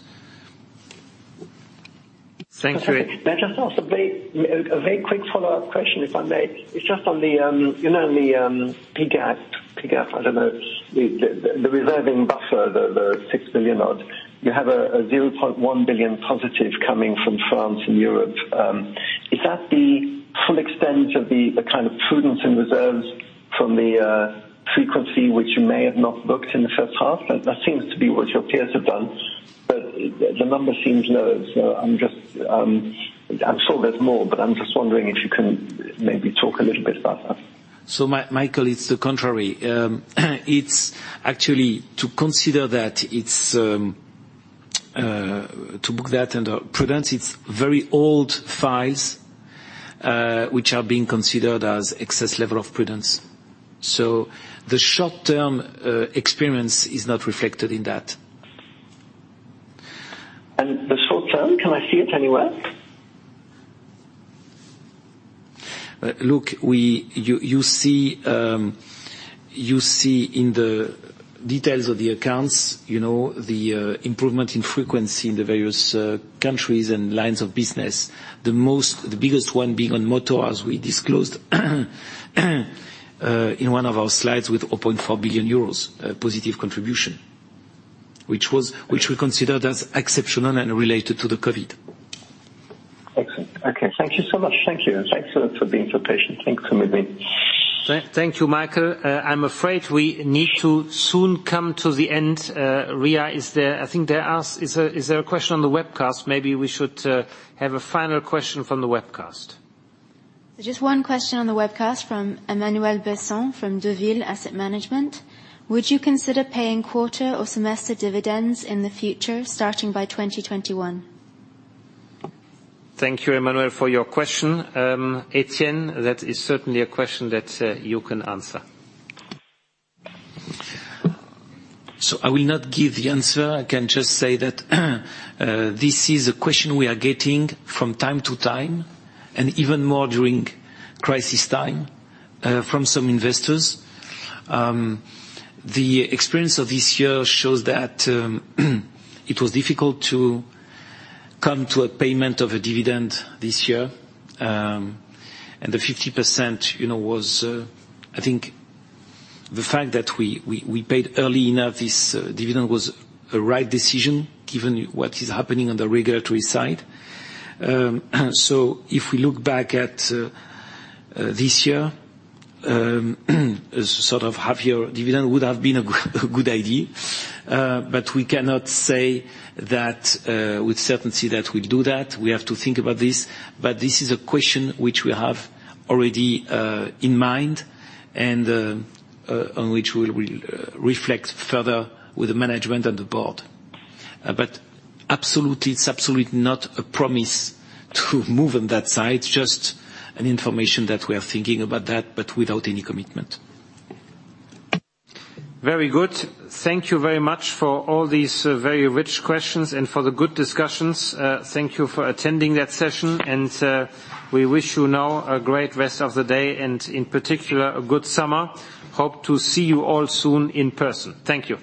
Thanks for- May I just ask a very quick follow-up question, if I may? It's just on the PGAAP, I don't know, the reserving buffer, the 6 billion odd. You have a 0.1 billion positive coming from France and Europe. Is that the full extent of the kind of prudence in reserves from the frequency which you may have not booked in the first half? That seems to be what your peers have done, but the number seems low. I'm sure there's more, but I'm just wondering if you can maybe talk a little bit about that. Michael, it's the contrary. It's actually to consider that to book that under prudence, it's very old files, which are being considered as excess level of prudence. The short-term experience is not reflected in that. The short term, can I see it anywhere? Look, you see in the details of the accounts, the improvement in frequency in the various countries and lines of business. The biggest one being on motor, as we disclosed in one of our slides with 4.4 billion euros positive contribution. Which we consider as exceptional and related to the COVID. Excellent. Okay. Thank you so much. Thank you. Thanks a lot for being so patient. Thanks for meeting. Thank you, Michael. I'm afraid we need to soon come to the end. Ria, is there a question on the webcast? Maybe we should have a final question from the webcast. Just one question on the webcast from Emmanuel Besson, from Dorval Asset Management. Would you consider paying quarter or semester dividends in the future, starting by 2021? Thank you, Emmanuel, for your question. Etienne, that is certainly a question that you can answer. I will not give the answer. I can just say that this is a question we are getting from time to time, and even more during crisis time, from some investors. The experience of this year shows that it was difficult to come to a payment of a dividend this year. The 50% was I think the fact that we paid early enough this dividend was a right decision, given what is happening on the regulatory side. If we look back at this year, sort of half year dividend would have been a good idea. We cannot say with certainty that we'll do that. We have to think about this, but this is a question which we have already in mind and on which we'll reflect further with the management and the board. It's absolutely not a promise to move on that side, just an information that we are thinking about that, but without any commitment. Very good. Thank you very much for all these very rich questions and for the good discussions. Thank you for attending that session, and we wish you now a great rest of the day and in particular, a good summer. Hope to see you all soon in person. Thank you.